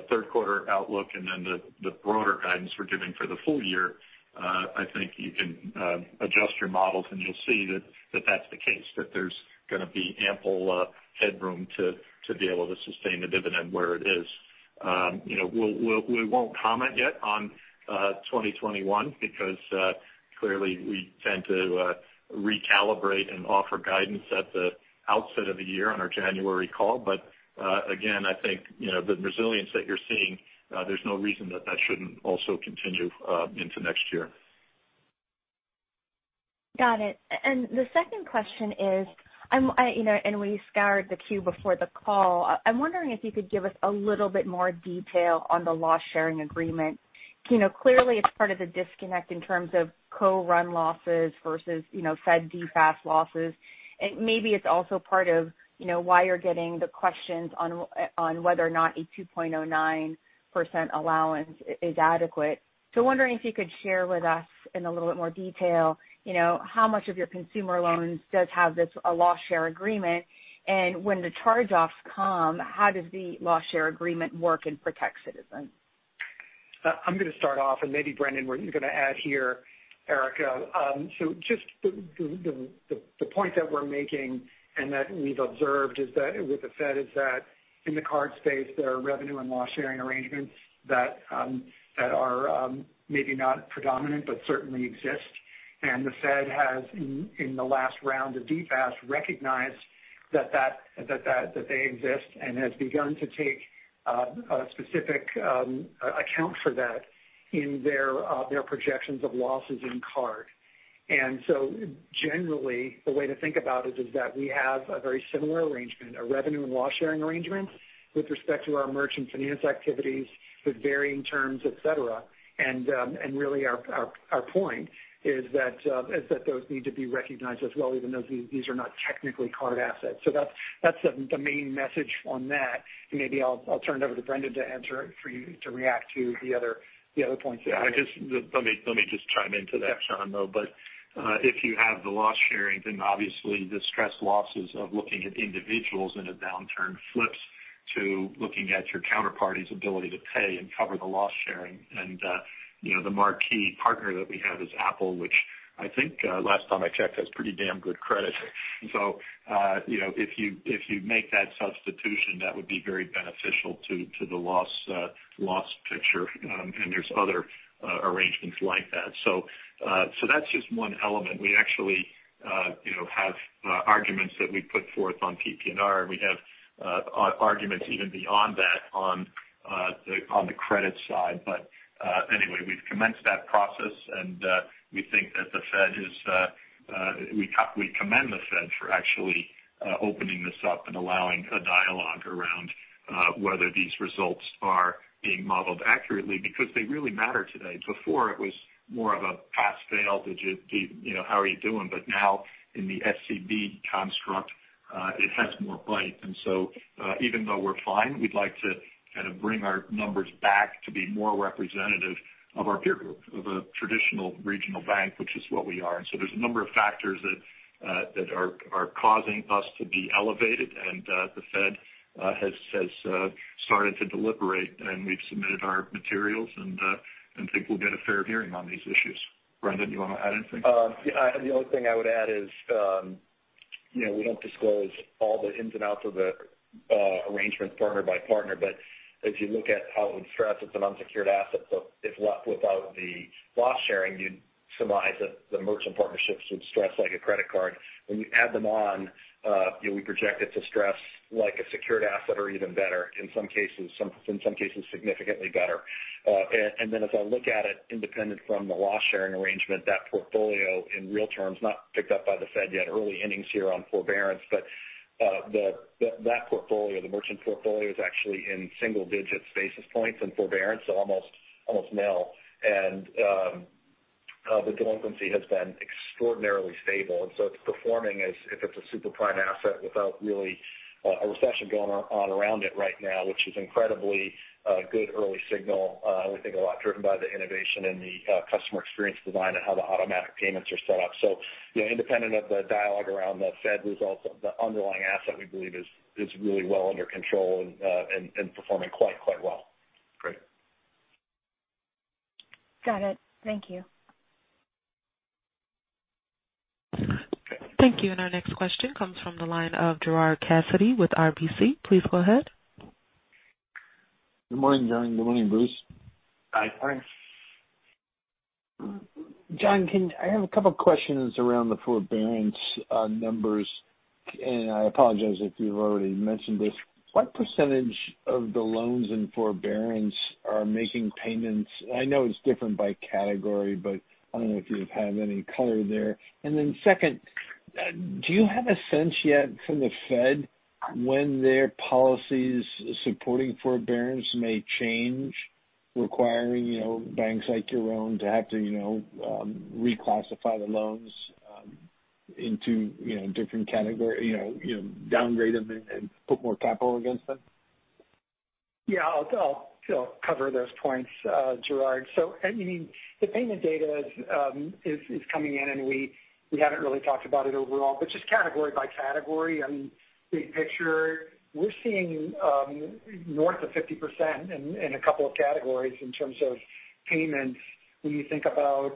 third quarter outlook and the broader guidance we're giving for the full year, I think you can adjust your models, and you'll see that that's the case. That there's going to be ample headroom to be able to sustain the dividend where it is. We won't comment yet on 2021 because, clearly we tend to recalibrate and offer guidance at the outset of the year on our January call. Again, I think, the resilience that you're seeing, there's no reason that that shouldn't also continue into next year. Got it. The second question is, and we scoured the queue before the call. I'm wondering if you could give us a little bit more detail on the loss sharing agreement. Clearly it's part of the disconnect in terms of co-run losses versus Fed DFAST losses. Maybe it's also part of why you're getting the questions on whether or not a 2.09% allowance is adequate. Wondering if you could share with us in a little bit more detail, how much of your consumer loans does have this loss share agreement? When the charge-offs come, how does the loss share agreement work and protect Citizens? I'm going to start off and maybe Brendan, you're going to add here, Erika. Just the point that we're making and that we've observed with the Fed is that in the card space, there are revenue and loss sharing arrangements that are maybe not predominant, but certainly exist. The Fed has, in the last round of DFAST, recognized that they exist and has begun to take a specific account for that in their projections of losses in card. Generally, the way to think about it is that we have a very similar arrangement, a revenue and loss sharing arrangement with respect to our merchant finance activities with varying terms, et cetera. Really our point is that those need to be recognized as well, even though these are not technically card assets. That's the main message on that. Maybe I'll turn it over to Brendan to answer for you to react to the other points. Let me just chime into that, John, though. If you have the loss sharing, obviously the stress losses of looking at individuals in a downturn flips to looking at your counterparty's ability to pay and cover the loss sharing. The marquee partner that we have is Apple, which I think last time I checked has pretty damn good credit. If you make that substitution, that would be very beneficial to the loss picture, and there's other arrangements like that. That's just one element. We actually have arguments that we put forth on PPNR, and we have arguments even beyond that on the credit side. Anyway, we've commenced that process, and we commend the Fed for actually opening this up and allowing a dialogue around whether these results are being modeled accurately because they really matter today. Before it was more of a pass, fail, how are you doing? Now in the SCB construct, it has more bite. Even though we're fine, we'd like to kind of bring our numbers back to be more representative of our peer group, of a traditional regional bank, which is what we are. There's a number of factors that are causing us to be elevated, and the Fed has started to deliberate, and we've submitted our materials and think we'll get a fair hearing on these issues. Brendan, you want to add anything? The only thing I would add is. We don't disclose all the ins and outs of the arrangement partner by partner. If you look at how it would stress, it's an unsecured asset. If left without the loss sharing, you'd surmise that the merchant partnerships would stress like a credit card. When you add them on, we project it to stress like a secured asset or even better, in some cases significantly better. If I look at it independent from the loss sharing arrangement, that portfolio in real terms, not picked up by the Fed yet, early innings here on forbearance, but that portfolio, the merchant portfolio, is actually in single digits basis points in forbearance, so almost nil. The delinquency has been extraordinarily stable. It's performing as if it's a super prime asset without really a recession going on around it right now, which is incredibly a good early signal. We think a lot driven by the innovation and the customer experience design and how the automatic payments are set up. Independent of the dialogue around the Fed results, the underlying asset, we believe is really well under control and performing quite well. Great. Got it. Thank you. Thank you. Our next question comes from the line of Gerard Cassidy with RBC. Please go ahead. Good morning, John. Good morning, Bruce. Hi. John, I have a couple questions around the forbearance numbers. I apologize if you've already mentioned this. What percentage of the loans in forbearance are making payments? I know it's different by category, but I don't know if you have any color there. Then second, do you have a sense yet from the Fed when their policies supporting forbearance may change, requiring banks like your own to have to reclassify the loans into different category, downgrade them and put more capital against them? Yeah, I'll cover those points, Gerard. The payment data is coming in, we haven't really talked about it overall, just category by category. Big picture, we're seeing north of 50% in two categories in terms of payments. When you think about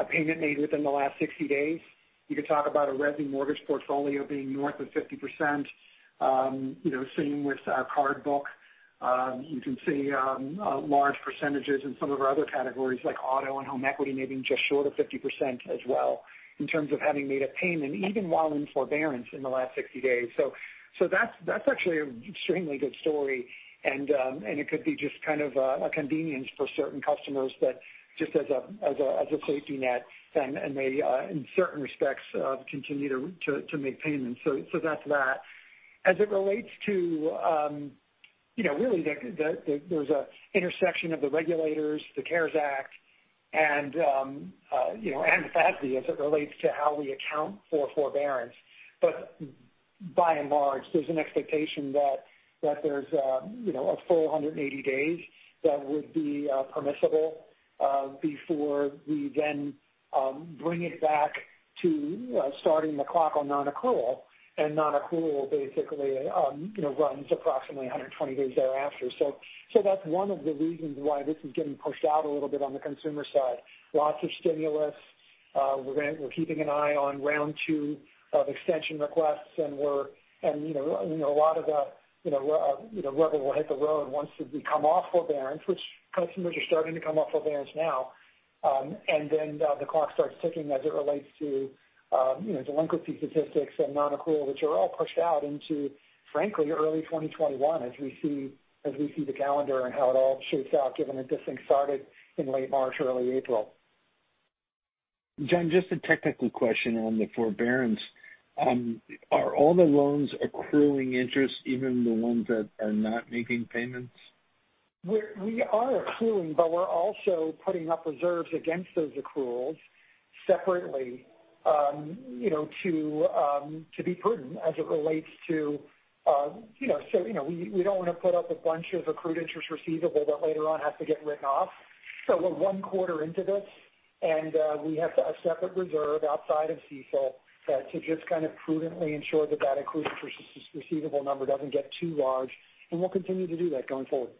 a payment made within the last 60 days, you could talk about a resi mortgage portfolio being north of 50%. Same with our card book. You can see large percentages in some of our other categories, like auto and home equity, maybe just short of 50% as well, in terms of having made a payment, even while in forbearance in the last 60 days. That's actually an extremely good story. It could be just kind of a convenience for certain customers, just as a safety net and may, in certain respects, continue to make payments. That's that. As it relates to really there's an intersection of the regulators, the CARES Act, and FASB, as it relates to how we account for forbearance. By and large, there's an expectation that there's a full 180 days that would be permissible before we then bring it back to starting the clock on non-accrual, and non-accrual basically runs approximately 120 days thereafter. That's one of the reasons why this is getting pushed out a little bit on the consumer side. Lots of stimulus. We're keeping an eye on round two of extension requests, a lot of the rubber will hit the road once we come off forbearance, which customers are starting to come off forbearance now. Then the clock starts ticking as it relates to delinquency statistics and non-accrual, which are all pushed out into, frankly, early 2021 as we see the calendar and how it all shakes out, given that this thing started in late March, early April. John, just a technical question on the forbearance. Are all the loans accruing interest, even the ones that are not making payments? We are accruing, but we're also putting up reserves against those accruals separately to be prudent. We don't want to put up a bunch of accrued interest receivable that later on has to get written off. We're one quarter into this, and we have a separate reserve outside of CECL to just kind of prudently ensure that that accrued receivable number doesn't get too large, and we'll continue to do that going forward.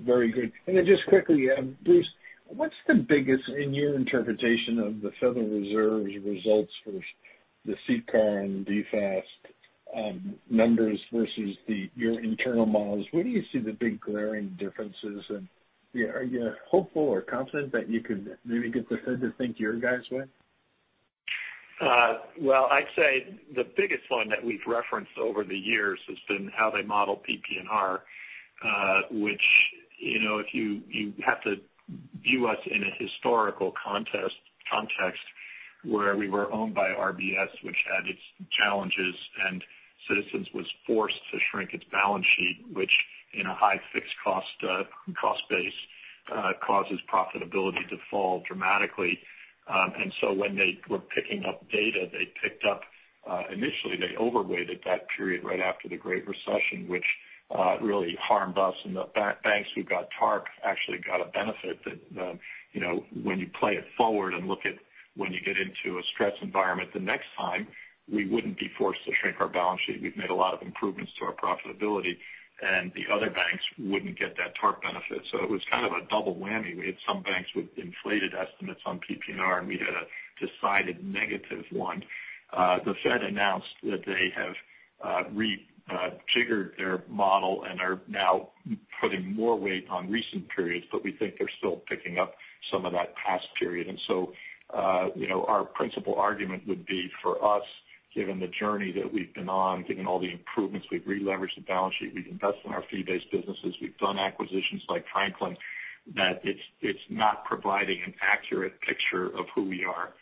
Very good. Then just quickly, Bruce, what's the biggest in your interpretation of the Federal Reserve's results for the CCAR and DFAST numbers versus your internal models? Where do you see the big glaring differences? Are you hopeful or confident that you could maybe get the Fed to think your guys' way? Well, I'd say the biggest one that we've referenced over the years has been how they model PPNR, which if you have to view us in a historical context where we were owned by RBS, which had its challenges, and Citizens was forced to shrink its balance sheet, which in a high fixed cost base causes profitability to fall dramatically. When they were picking up data, initially they overweighted that period right after the Great Recession, which really harmed us. The banks who got TARP actually got a benefit that when you play it forward and look at when you get into a stress environment the next time, we wouldn't be forced to shrink our balance sheet. We've made a lot of improvements to our profitability, and the other banks wouldn't get that TARP benefit. It was kind of a double whammy. We had some banks- Inflated estimates on PPNR. We had a decided negative one. The Fed announced that they have rejiggered their model and are now putting more weight on recent periods, but we think they're still picking up some of that past period. Our principal argument would be for us, given the journey that we've been on, given all the improvements, we've releveraged the balance sheet, we've invested in our fee-based businesses, we've done acquisitions like Franklin, that it's not providing an accurate picture of who we are.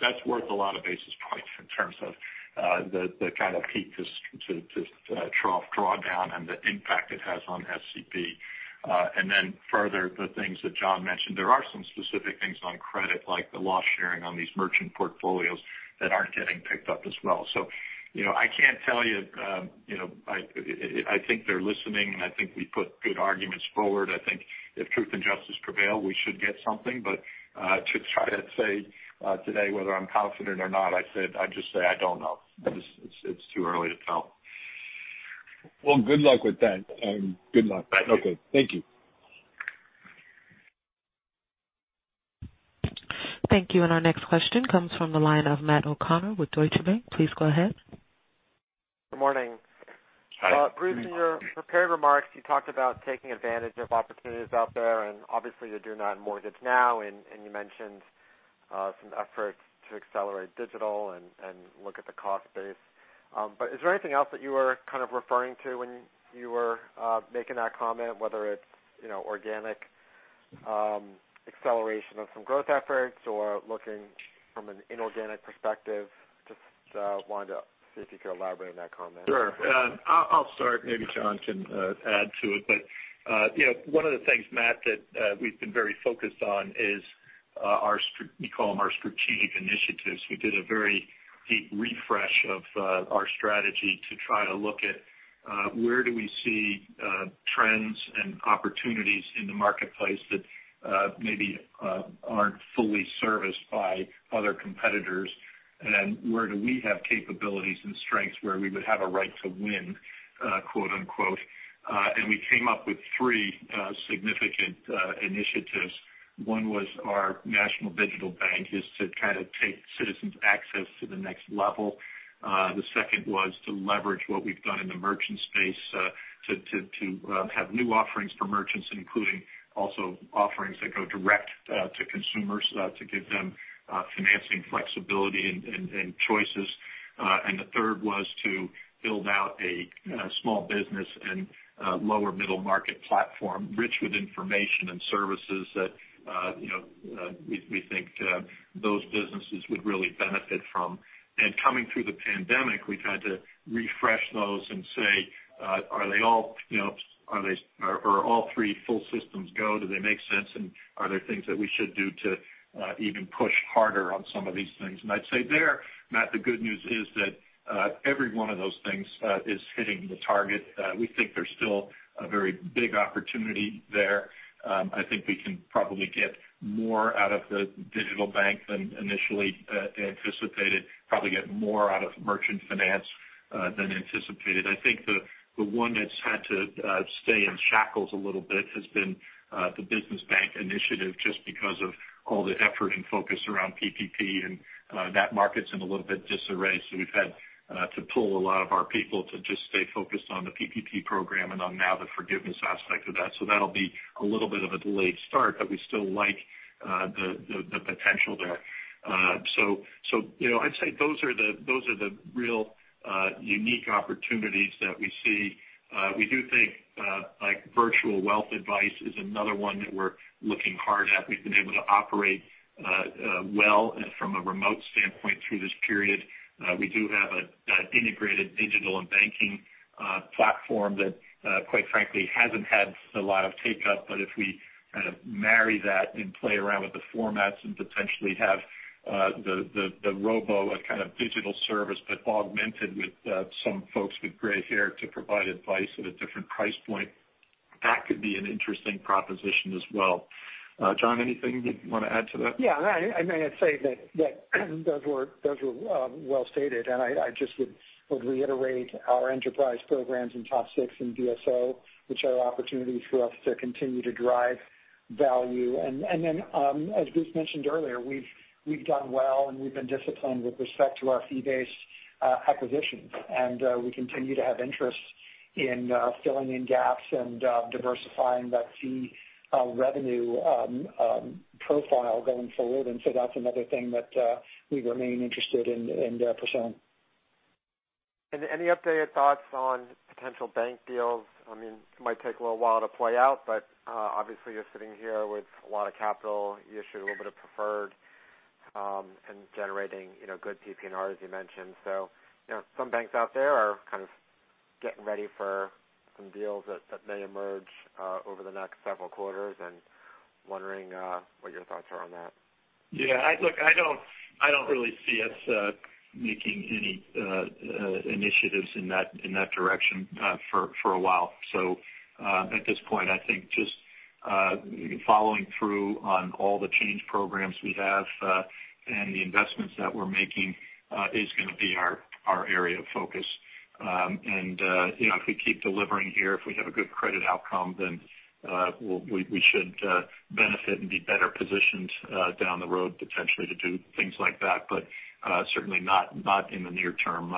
That's worth a lot of basis points in terms of the kind of peak-to-trough drawdown and the impact it has on SCB. Further, the things that John mentioned, there are some specific things on credit, like the loss sharing on these merchant portfolios that aren't getting picked up as well. I can't tell you. I think they're listening, and I think we put good arguments forward. I think if truth and justice prevail, we should get something. To try to say today whether I'm confident or not, I'd just say I don't know. It's too early to tell. Well, good luck with that. Good luck. Thank you. Okay. Thank you. Thank you. Our next question comes from the line of Matthew O'Connor with Deutsche Bank. Please go ahead. Good morning. Hi. Bruce, in your prepared remarks, you talked about taking advantage of opportunities out there, and obviously you're doing that in mortgage now, and you mentioned some efforts to accelerate digital and look at the cost base. Is there anything else that you were kind of referring to when you were making that comment, whether it's organic acceleration of some growth efforts or looking from an inorganic perspective? Just wanted to see if you could elaborate on that comment. Sure. I'll start. Maybe John can add to it. One of the things, Matt, that we've been very focused on is our we call them our strategic initiatives. We did a very deep refresh of our strategy to try to look at where do we see trends and opportunities in the marketplace that maybe aren't fully serviced by other competitors, and where do we have capabilities and strengths where we would have a right to win, quote, unquote. We came up with three significant initiatives. One was our national digital bank, is to kind of take Citizens Access to the next level. The second was to leverage what we've done in the merchant space to have new offerings for merchants, including also offerings that go direct to consumers to give them financing flexibility and choices. The third was to build out a small business and lower middle market platform rich with information and services that we think those businesses would really benefit from. Coming through the pandemic, we've had to refresh those and say are all three full systems go? Do they make sense? Are there things that we should do to even push harder on some of these things? I'd say there, Matt, the good news is that every one of those things is hitting the target. We think there's still a very big opportunity there. I think we can probably get more out of the digital bank than initially anticipated, probably get more out of merchant finance than anticipated. I think the one that's had to stay in shackles a little bit has been the business bank initiative, just because of all the effort and focus around PPP and that market's in a little bit disarray. We've had to pull a lot of our people to just stay focused on the PPP program and on now the forgiveness aspect of that. That'll be a little bit of a delayed start, but we still like the potential there. I'd say those are the real unique opportunities that we see. We do think virtual wealth advice is another one that we're looking hard at. We've been able to operate well from a remote standpoint through this period. We do have an integrated digital and banking platform that quite frankly, hasn't had a lot of take-up, but if we kind of marry that and play around with the formats and potentially have the robo, a kind of digital service, but augmented with some folks with gray hair to provide advice at a different price point, that could be an interesting proposition as well. John, anything you'd want to add to that? Yeah. I may say that those were well-stated. I just would reiterate our enterprise programs in TOP and BSO, which are opportunities for us to continue to drive value. As Bruce mentioned earlier, we've done well, and we've been disciplined with respect to our fee-based acquisitions. We continue to have interest in filling in gaps and diversifying that fee revenue profile going forward. That's another thing that we remain interested in pursuing. Any updated thoughts on potential bank deals? I mean, it might take a little while to play out, but obviously you're sitting here with a lot of capital, you issued a little bit of preferred and generating good PPNR, as you mentioned. Some banks out there are kind of getting ready for some deals that may emerge over the next several quarters and wondering what your thoughts are on that. Yeah. Look, I don't really see us making any initiatives in that direction for a while. At this point, I think just following through on all the change programs we have and the investments that we're making is going to be our area of focus. If we keep delivering here, if we have a good credit outcome, then we should benefit and be better positioned down the road, potentially, to do things like that. But certainly not in the near term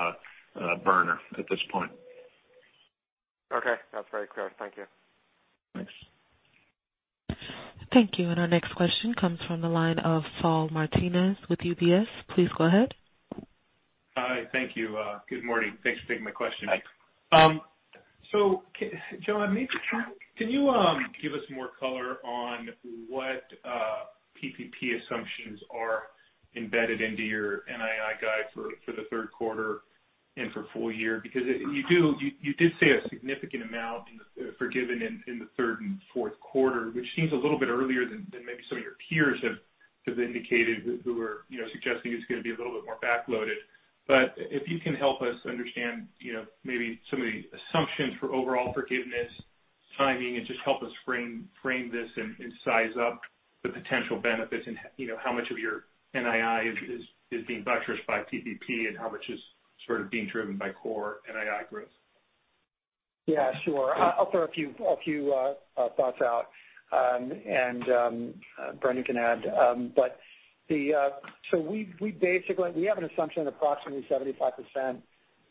Brendan at this point. Okay. That's very clear. Thank you. Thanks. Thank you. Our next question comes from the line of Saul Martinez with UBS. Please go ahead. Hi. Thank you. Good morning. Thanks for taking my question. Hi. John, can you give us more color on what PPP assumptions are embedded into your NII guide for the third quarter and for full year? You did say a significant amount forgiven in the third and fourth quarter, which seems a little bit earlier than maybe some of your peers have indicated who are suggesting it's going to be a little bit more back-loaded. If you can help us understand maybe some of the assumptions for overall forgiveness timing and just help us frame this and size up the potential benefits and how much of your NII is being buttressed by PPP and how much is sort of being driven by core NII growth. Yeah, sure. I'll throw a few thoughts out. Brendan can add. We have an assumption approximately 75%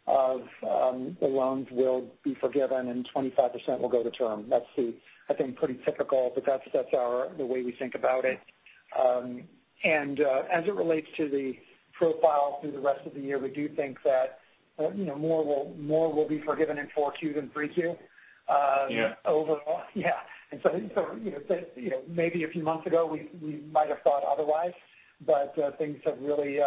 of the loans will be forgiven and 25% will go to term. That's the, I think, pretty typical, that's the way we think about it. As it relates to the profile through the rest of the year, we do think that more will be forgiven in four Q than three Q. Yeah overall. Yeah. Maybe a few months ago, we might've thought otherwise, but things have really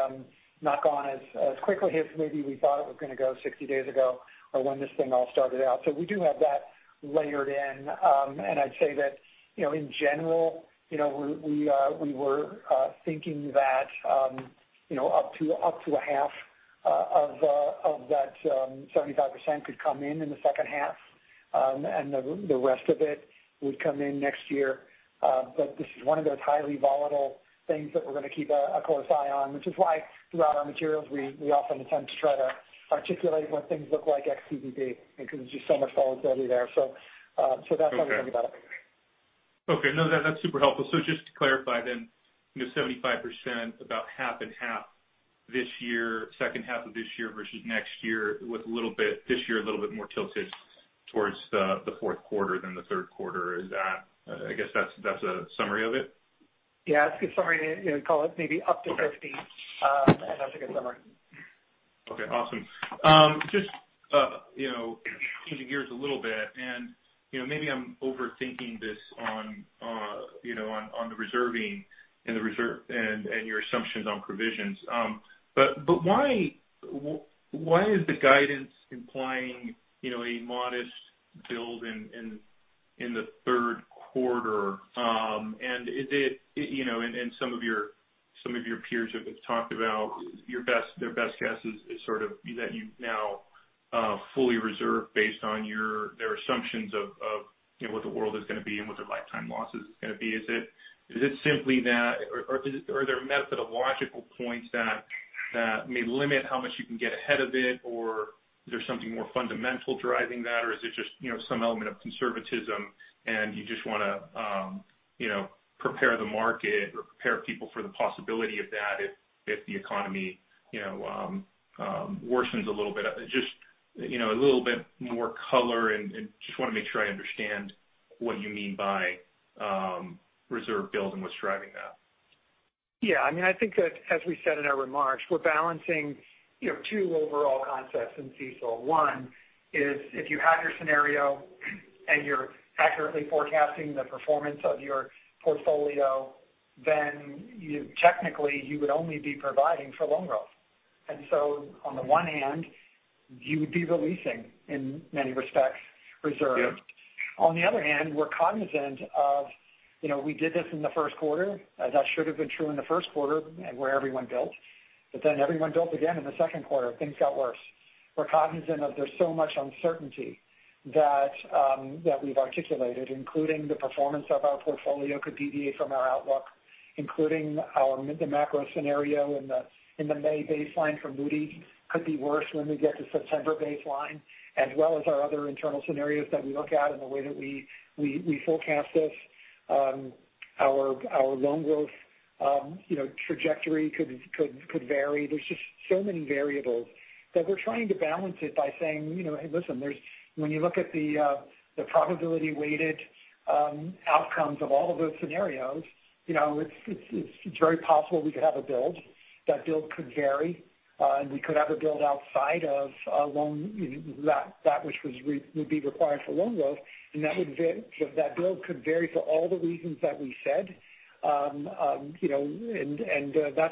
not gone as quickly as maybe we thought it was going to go 60 days ago or when this thing all started out. We do have that layered in. I'd say that in general, we were thinking that up to a half of that 75% could come in in the second half. The rest of it would come in next year. This is one of those highly volatile things that we're going to keep a close eye on, which is why throughout our materials, we often attempt to try to articulate what things look like ex-PPP because there's just so much volatility there. That's how we think about it. Okay. No, that's super helpful. Just to clarify, 75%, about half and half this year, second half of this year versus next year with this year a little bit more tilted towards the fourth quarter than the third quarter. I guess that's a summary of it? Yeah, that's a good summary. Call it maybe up to 50. Okay. That's a good summary. Okay, awesome. Just changing gears a little bit, and maybe I'm overthinking this on the reserving and your assumptions on provisions. Why is the guidance implying a modest build in the third quarter? Some of your peers have talked about their best guess is sort of that you've now fully reserved based on their assumptions of what the world is going to be and what their lifetime losses is going to be. Is it simply that, or are there methodological points that may limit how much you can get ahead of it, or is there something more fundamental driving that? Is it just some element of conservatism and you just want to prepare the market or prepare people for the possibility of that if the economy worsens a little bit? Just a little bit more color and just want to make sure I understand what you mean by reserve build and what's driving that. Yeah, I think that, as we said in our remarks, we're balancing two overall concepts in CECL. One is if you have your scenario and you're accurately forecasting the performance of your portfolio, then technically you would only be providing for loan growth. On the one hand, you would be releasing, in many respects, reserves. Yeah. On the other hand, we're cognizant of we did this in the first quarter. That should have been true in the first quarter where everyone built. Everyone built again in the second quarter. Things got worse. We're cognizant of there's so much uncertainty that we've articulated, including the performance of our portfolio could deviate from our outlook, including the macro scenario in the May baseline from Moody's could be worse when we get to September baseline, as well as our other internal scenarios that we look at and the way that we forecast this. Our loan growth trajectory could vary. There's just so many variables that we're trying to balance it by saying, "Hey, listen, when you look at the probability-weighted outcomes of all of those scenarios, it's very possible we could have a build. That build could vary, and we could have a build outside of that which would be required for loan growth. That build could vary for all the reasons that we said. That's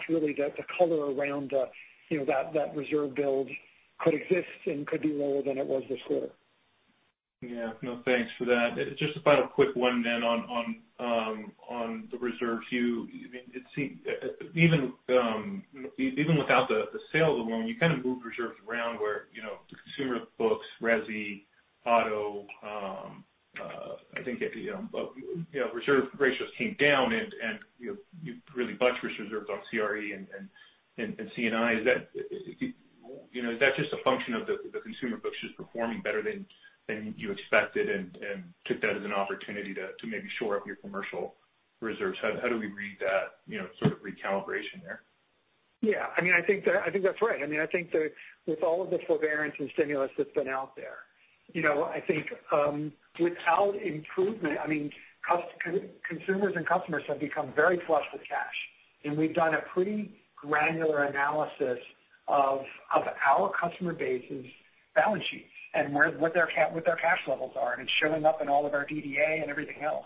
really the color around that reserve build could exist and could be lower than it was this quarter. Yeah. No, thanks for that. Just about a quick one on the reserves. Even without the sale of the loan, you kind of moved reserves around where the consumer books, resi. Auto. I think reserve ratios came down and you really buttressed reserves on CRE and C&I. Is that just a function of the consumer books just performing better than you expected and took that as an opportunity to maybe shore up your commercial reserves? How do we read that sort of recalibration there? Yeah, I think that's right. I think that with all of the forbearance and stimulus that's been out there, I think without improvement, consumers and customers have become very flush with cash. We've done a pretty granular analysis of our customer base's balance sheets and what their cash levels are, and it's showing up in all of our DDA and everything else.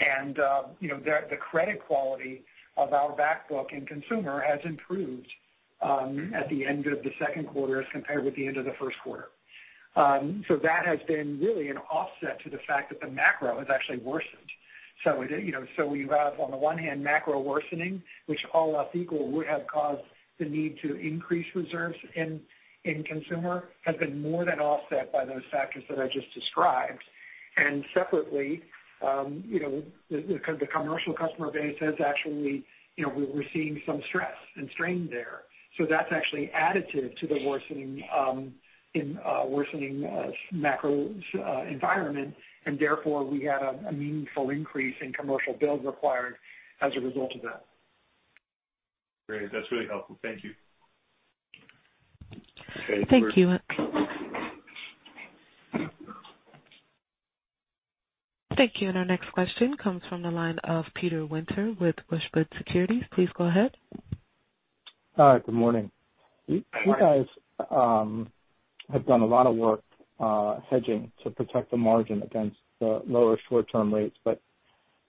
The credit quality of our back book in consumer has improved, at the end of the second quarter as compared with the end of the first quarter. That has been really an offset to the fact that the macro has actually worsened. We have, on the one hand, macro worsening, which all else equal, would have caused the need to increase reserves in consumer, has been more than offset by those factors that I just described. Separately, the commercial customer base has actually, we're seeing some stress and strain there. That's actually additive to the worsening macro environment and therefore, we had a meaningful increase in commercial ACLs required as a result of that. Great. That's really helpful. Thank you. Thank you. Our next question comes from the line of Peter Winter with Wedbush Securities. Please go ahead. Hi. Good morning. Good morning. You guys have done a lot of work hedging to protect the margin against the lower short-term rates, but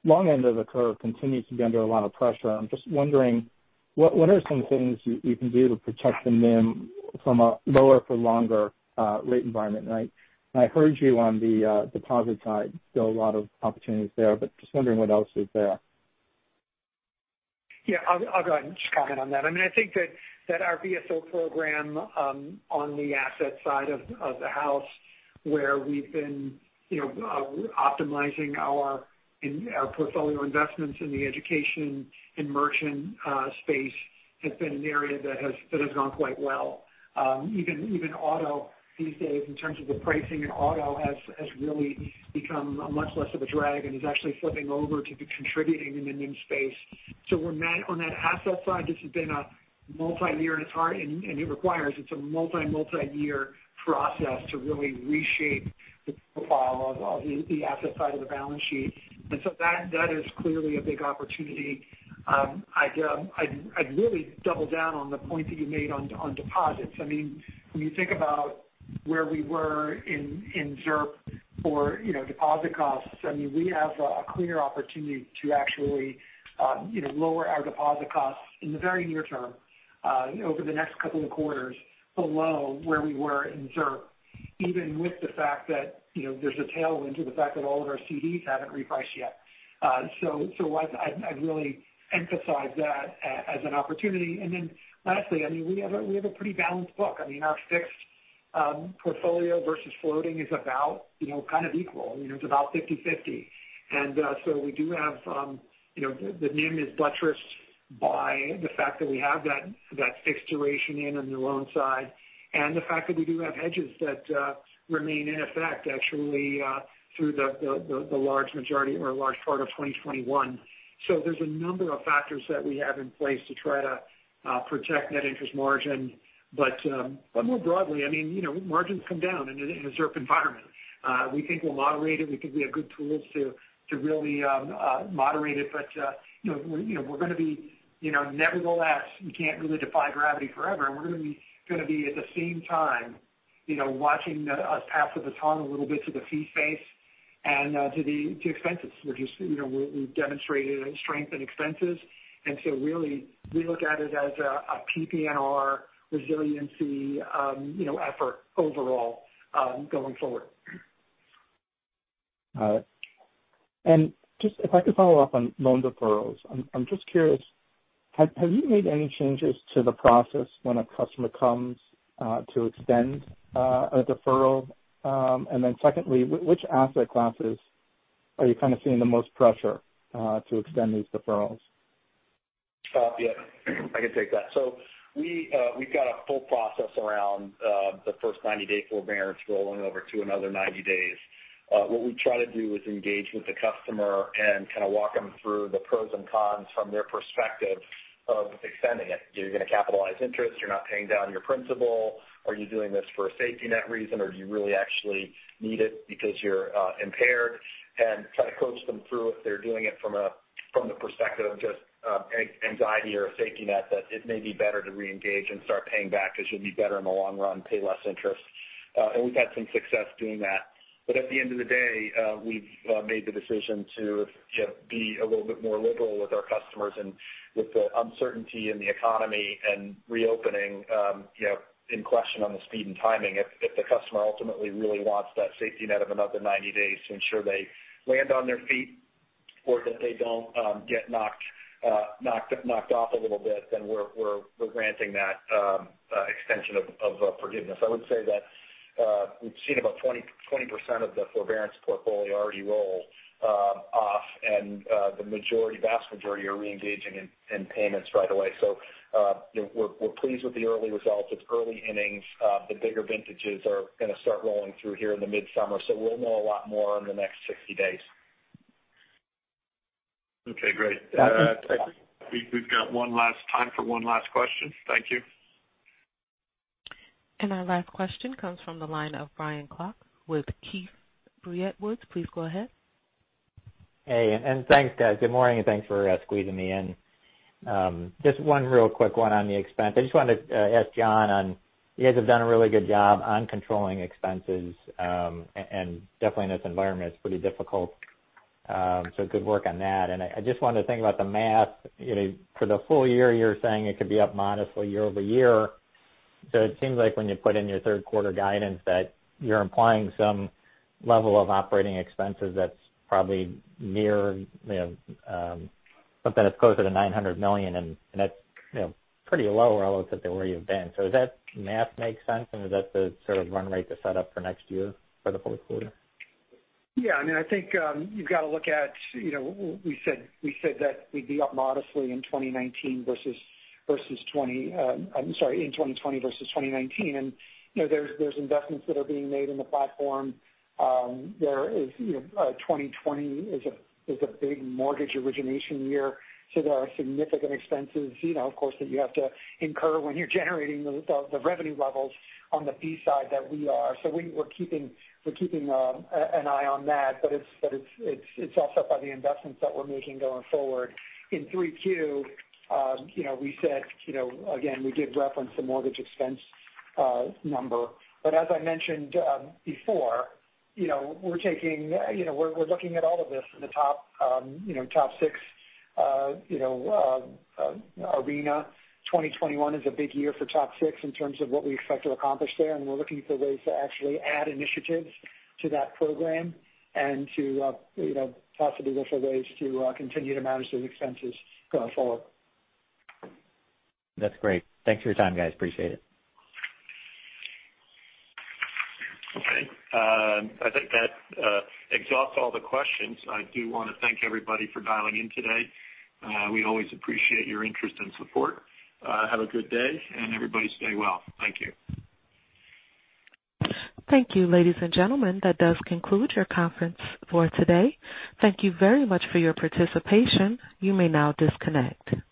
long end of the curve continues to be under a lot of pressure. I'm just wondering, what are some things you can do to protect the NIM from a lower for longer rate environment? I heard you on the deposit side, still a lot of opportunities there, but just wondering what else is there. Yeah. I'll go ahead and just comment on that. I think that our BSO program, on the asset side of the house where we've been optimizing our portfolio investments in the education and merchant space has been an area that has gone quite well. Even auto these days in terms of the pricing in auto has really become a much less of a drag and is actually flipping over to contributing in the NIM space. On that asset side, this has been a multi-year at heart and it's a multi-year process to really reshape the profile of the asset side of the balance sheet. That is clearly a big opportunity. I'd really double down on the point that you made on deposits. When you think about where we were in ZIRP for deposit costs, we have a clear opportunity to actually lower our deposit costs in the very near term, over the next couple of quarters below where we were in ZIRP, even with the fact that there's a tailwind to the fact that all of our CDs haven't repriced yet. I'd really emphasize that as an opportunity. Lastly, we have a pretty balanced book. Our fixed portfolio versus floating is about kind of equal. It's about 50/50. We do have, the NIM is buttressed by the fact that we have that fixed duration in on the loan side and the fact that we do have hedges that remain in effect actually, through the large majority or a large part of 2021. There's a number of factors that we have in place to try to protect net interest margin. More broadly, margins come down in a ZIRP environment. We think we'll moderate it. We think we have good tools to really moderate it. Nevertheless, we can't really defy gravity forever, and we're going to be at the same time watching us pass the baton a little bit to the fee space and to expenses. We've demonstrated strength in expenses. Really, we look at it as a PPNR resiliency effort overall, going forward. Got it. Just if I could follow up on loan deferrals. I'm just curious, have you made any changes to the process when a customer comes to extend a deferral? Secondly, which asset classes are you kind of seeing the most pressure to extend these deferrals? Yeah. I can take that. We've got a full process around the first 90-day forbearance rolling over to another 90 days. What we try to do is engage with the customer and kind of walk them through the pros and cons from their perspective of extending it. You're going to capitalize interest. You're not paying down your principal. Are you doing this for a safety net reason, or do you really actually need it because you're impaired? Kind of coach them through if they're doing it from the perspective of just anxiety or a safety net, that it may be better to reengage and start paying back because you'll be better in the long run, pay less interest. We've had some success doing that. At the end of the day, we've made the decision to be a little bit more liberal with our customers and with the uncertainty in the economy and reopening in question on the speed and timing. If the customer ultimately really wants that safety net of another 90 days to ensure they land on their feet or that they don't get knocked off a little bit, then we're granting that extension of forgiveness. I would say that we've seen about 20% of the forbearance portfolio already roll off, and the vast majority are re-engaging in payments right away. We're pleased with the early results. It's early innings. The bigger vintages are going to start rolling through here in the mid-summer. We'll know a lot more in the next 60 days. Okay, great. Thank you. We've got time for one last question. Thank you. Our last question comes from the line of Brian Klock with Keefe, Bruyette & Woods. Please go ahead. Hey, thanks, guys. Good morning, thanks for squeezing me in. Just one real quick one on the expense. I just wanted to ask John on, you guys have done a really good job on controlling expenses, definitely in this environment, it's pretty difficult. Good work on that. I just wanted to think about the math. For the full year, you're saying it could be up modestly year-over-year. It seems like when you put in your third quarter guidance that you're implying some level of operating expenses that's probably near something that's closer to $900 million, that's pretty low relative to where you've been. Does that math make sense? Is that the sort of run rate to set up for next year for the fourth quarter? I think you've got to look at, we said that we'd be up modestly in 2019 versus, I'm sorry, in 2020 versus 2019. There's investments that are being made in the platform. 2020 is a big mortgage origination year, so there are significant expenses, of course, that you have to incur when you're generating the revenue levels on the fee side that we are. We're keeping an eye on that. It's also by the investments that we're making going forward. In three Q, we said, again, we did reference the mortgage expense number. As I mentioned before, we're looking at all of this in the TOP arena. 2021 is a big year for top six in terms of what we expect to accomplish there, and we're looking for ways to actually add initiatives to that program and to possibly look for ways to continue to manage those expenses going forward. That's great. Thanks for your time, guys. Appreciate it. Okay. I think that exhausts all the questions. I do want to thank everybody for dialing in today. We always appreciate your interest and support. Have a good day, and everybody stay well. Thank you. Thank you, ladies and gentlemen. That does conclude your conference for today. Thank you very much for your participation. You may now disconnect.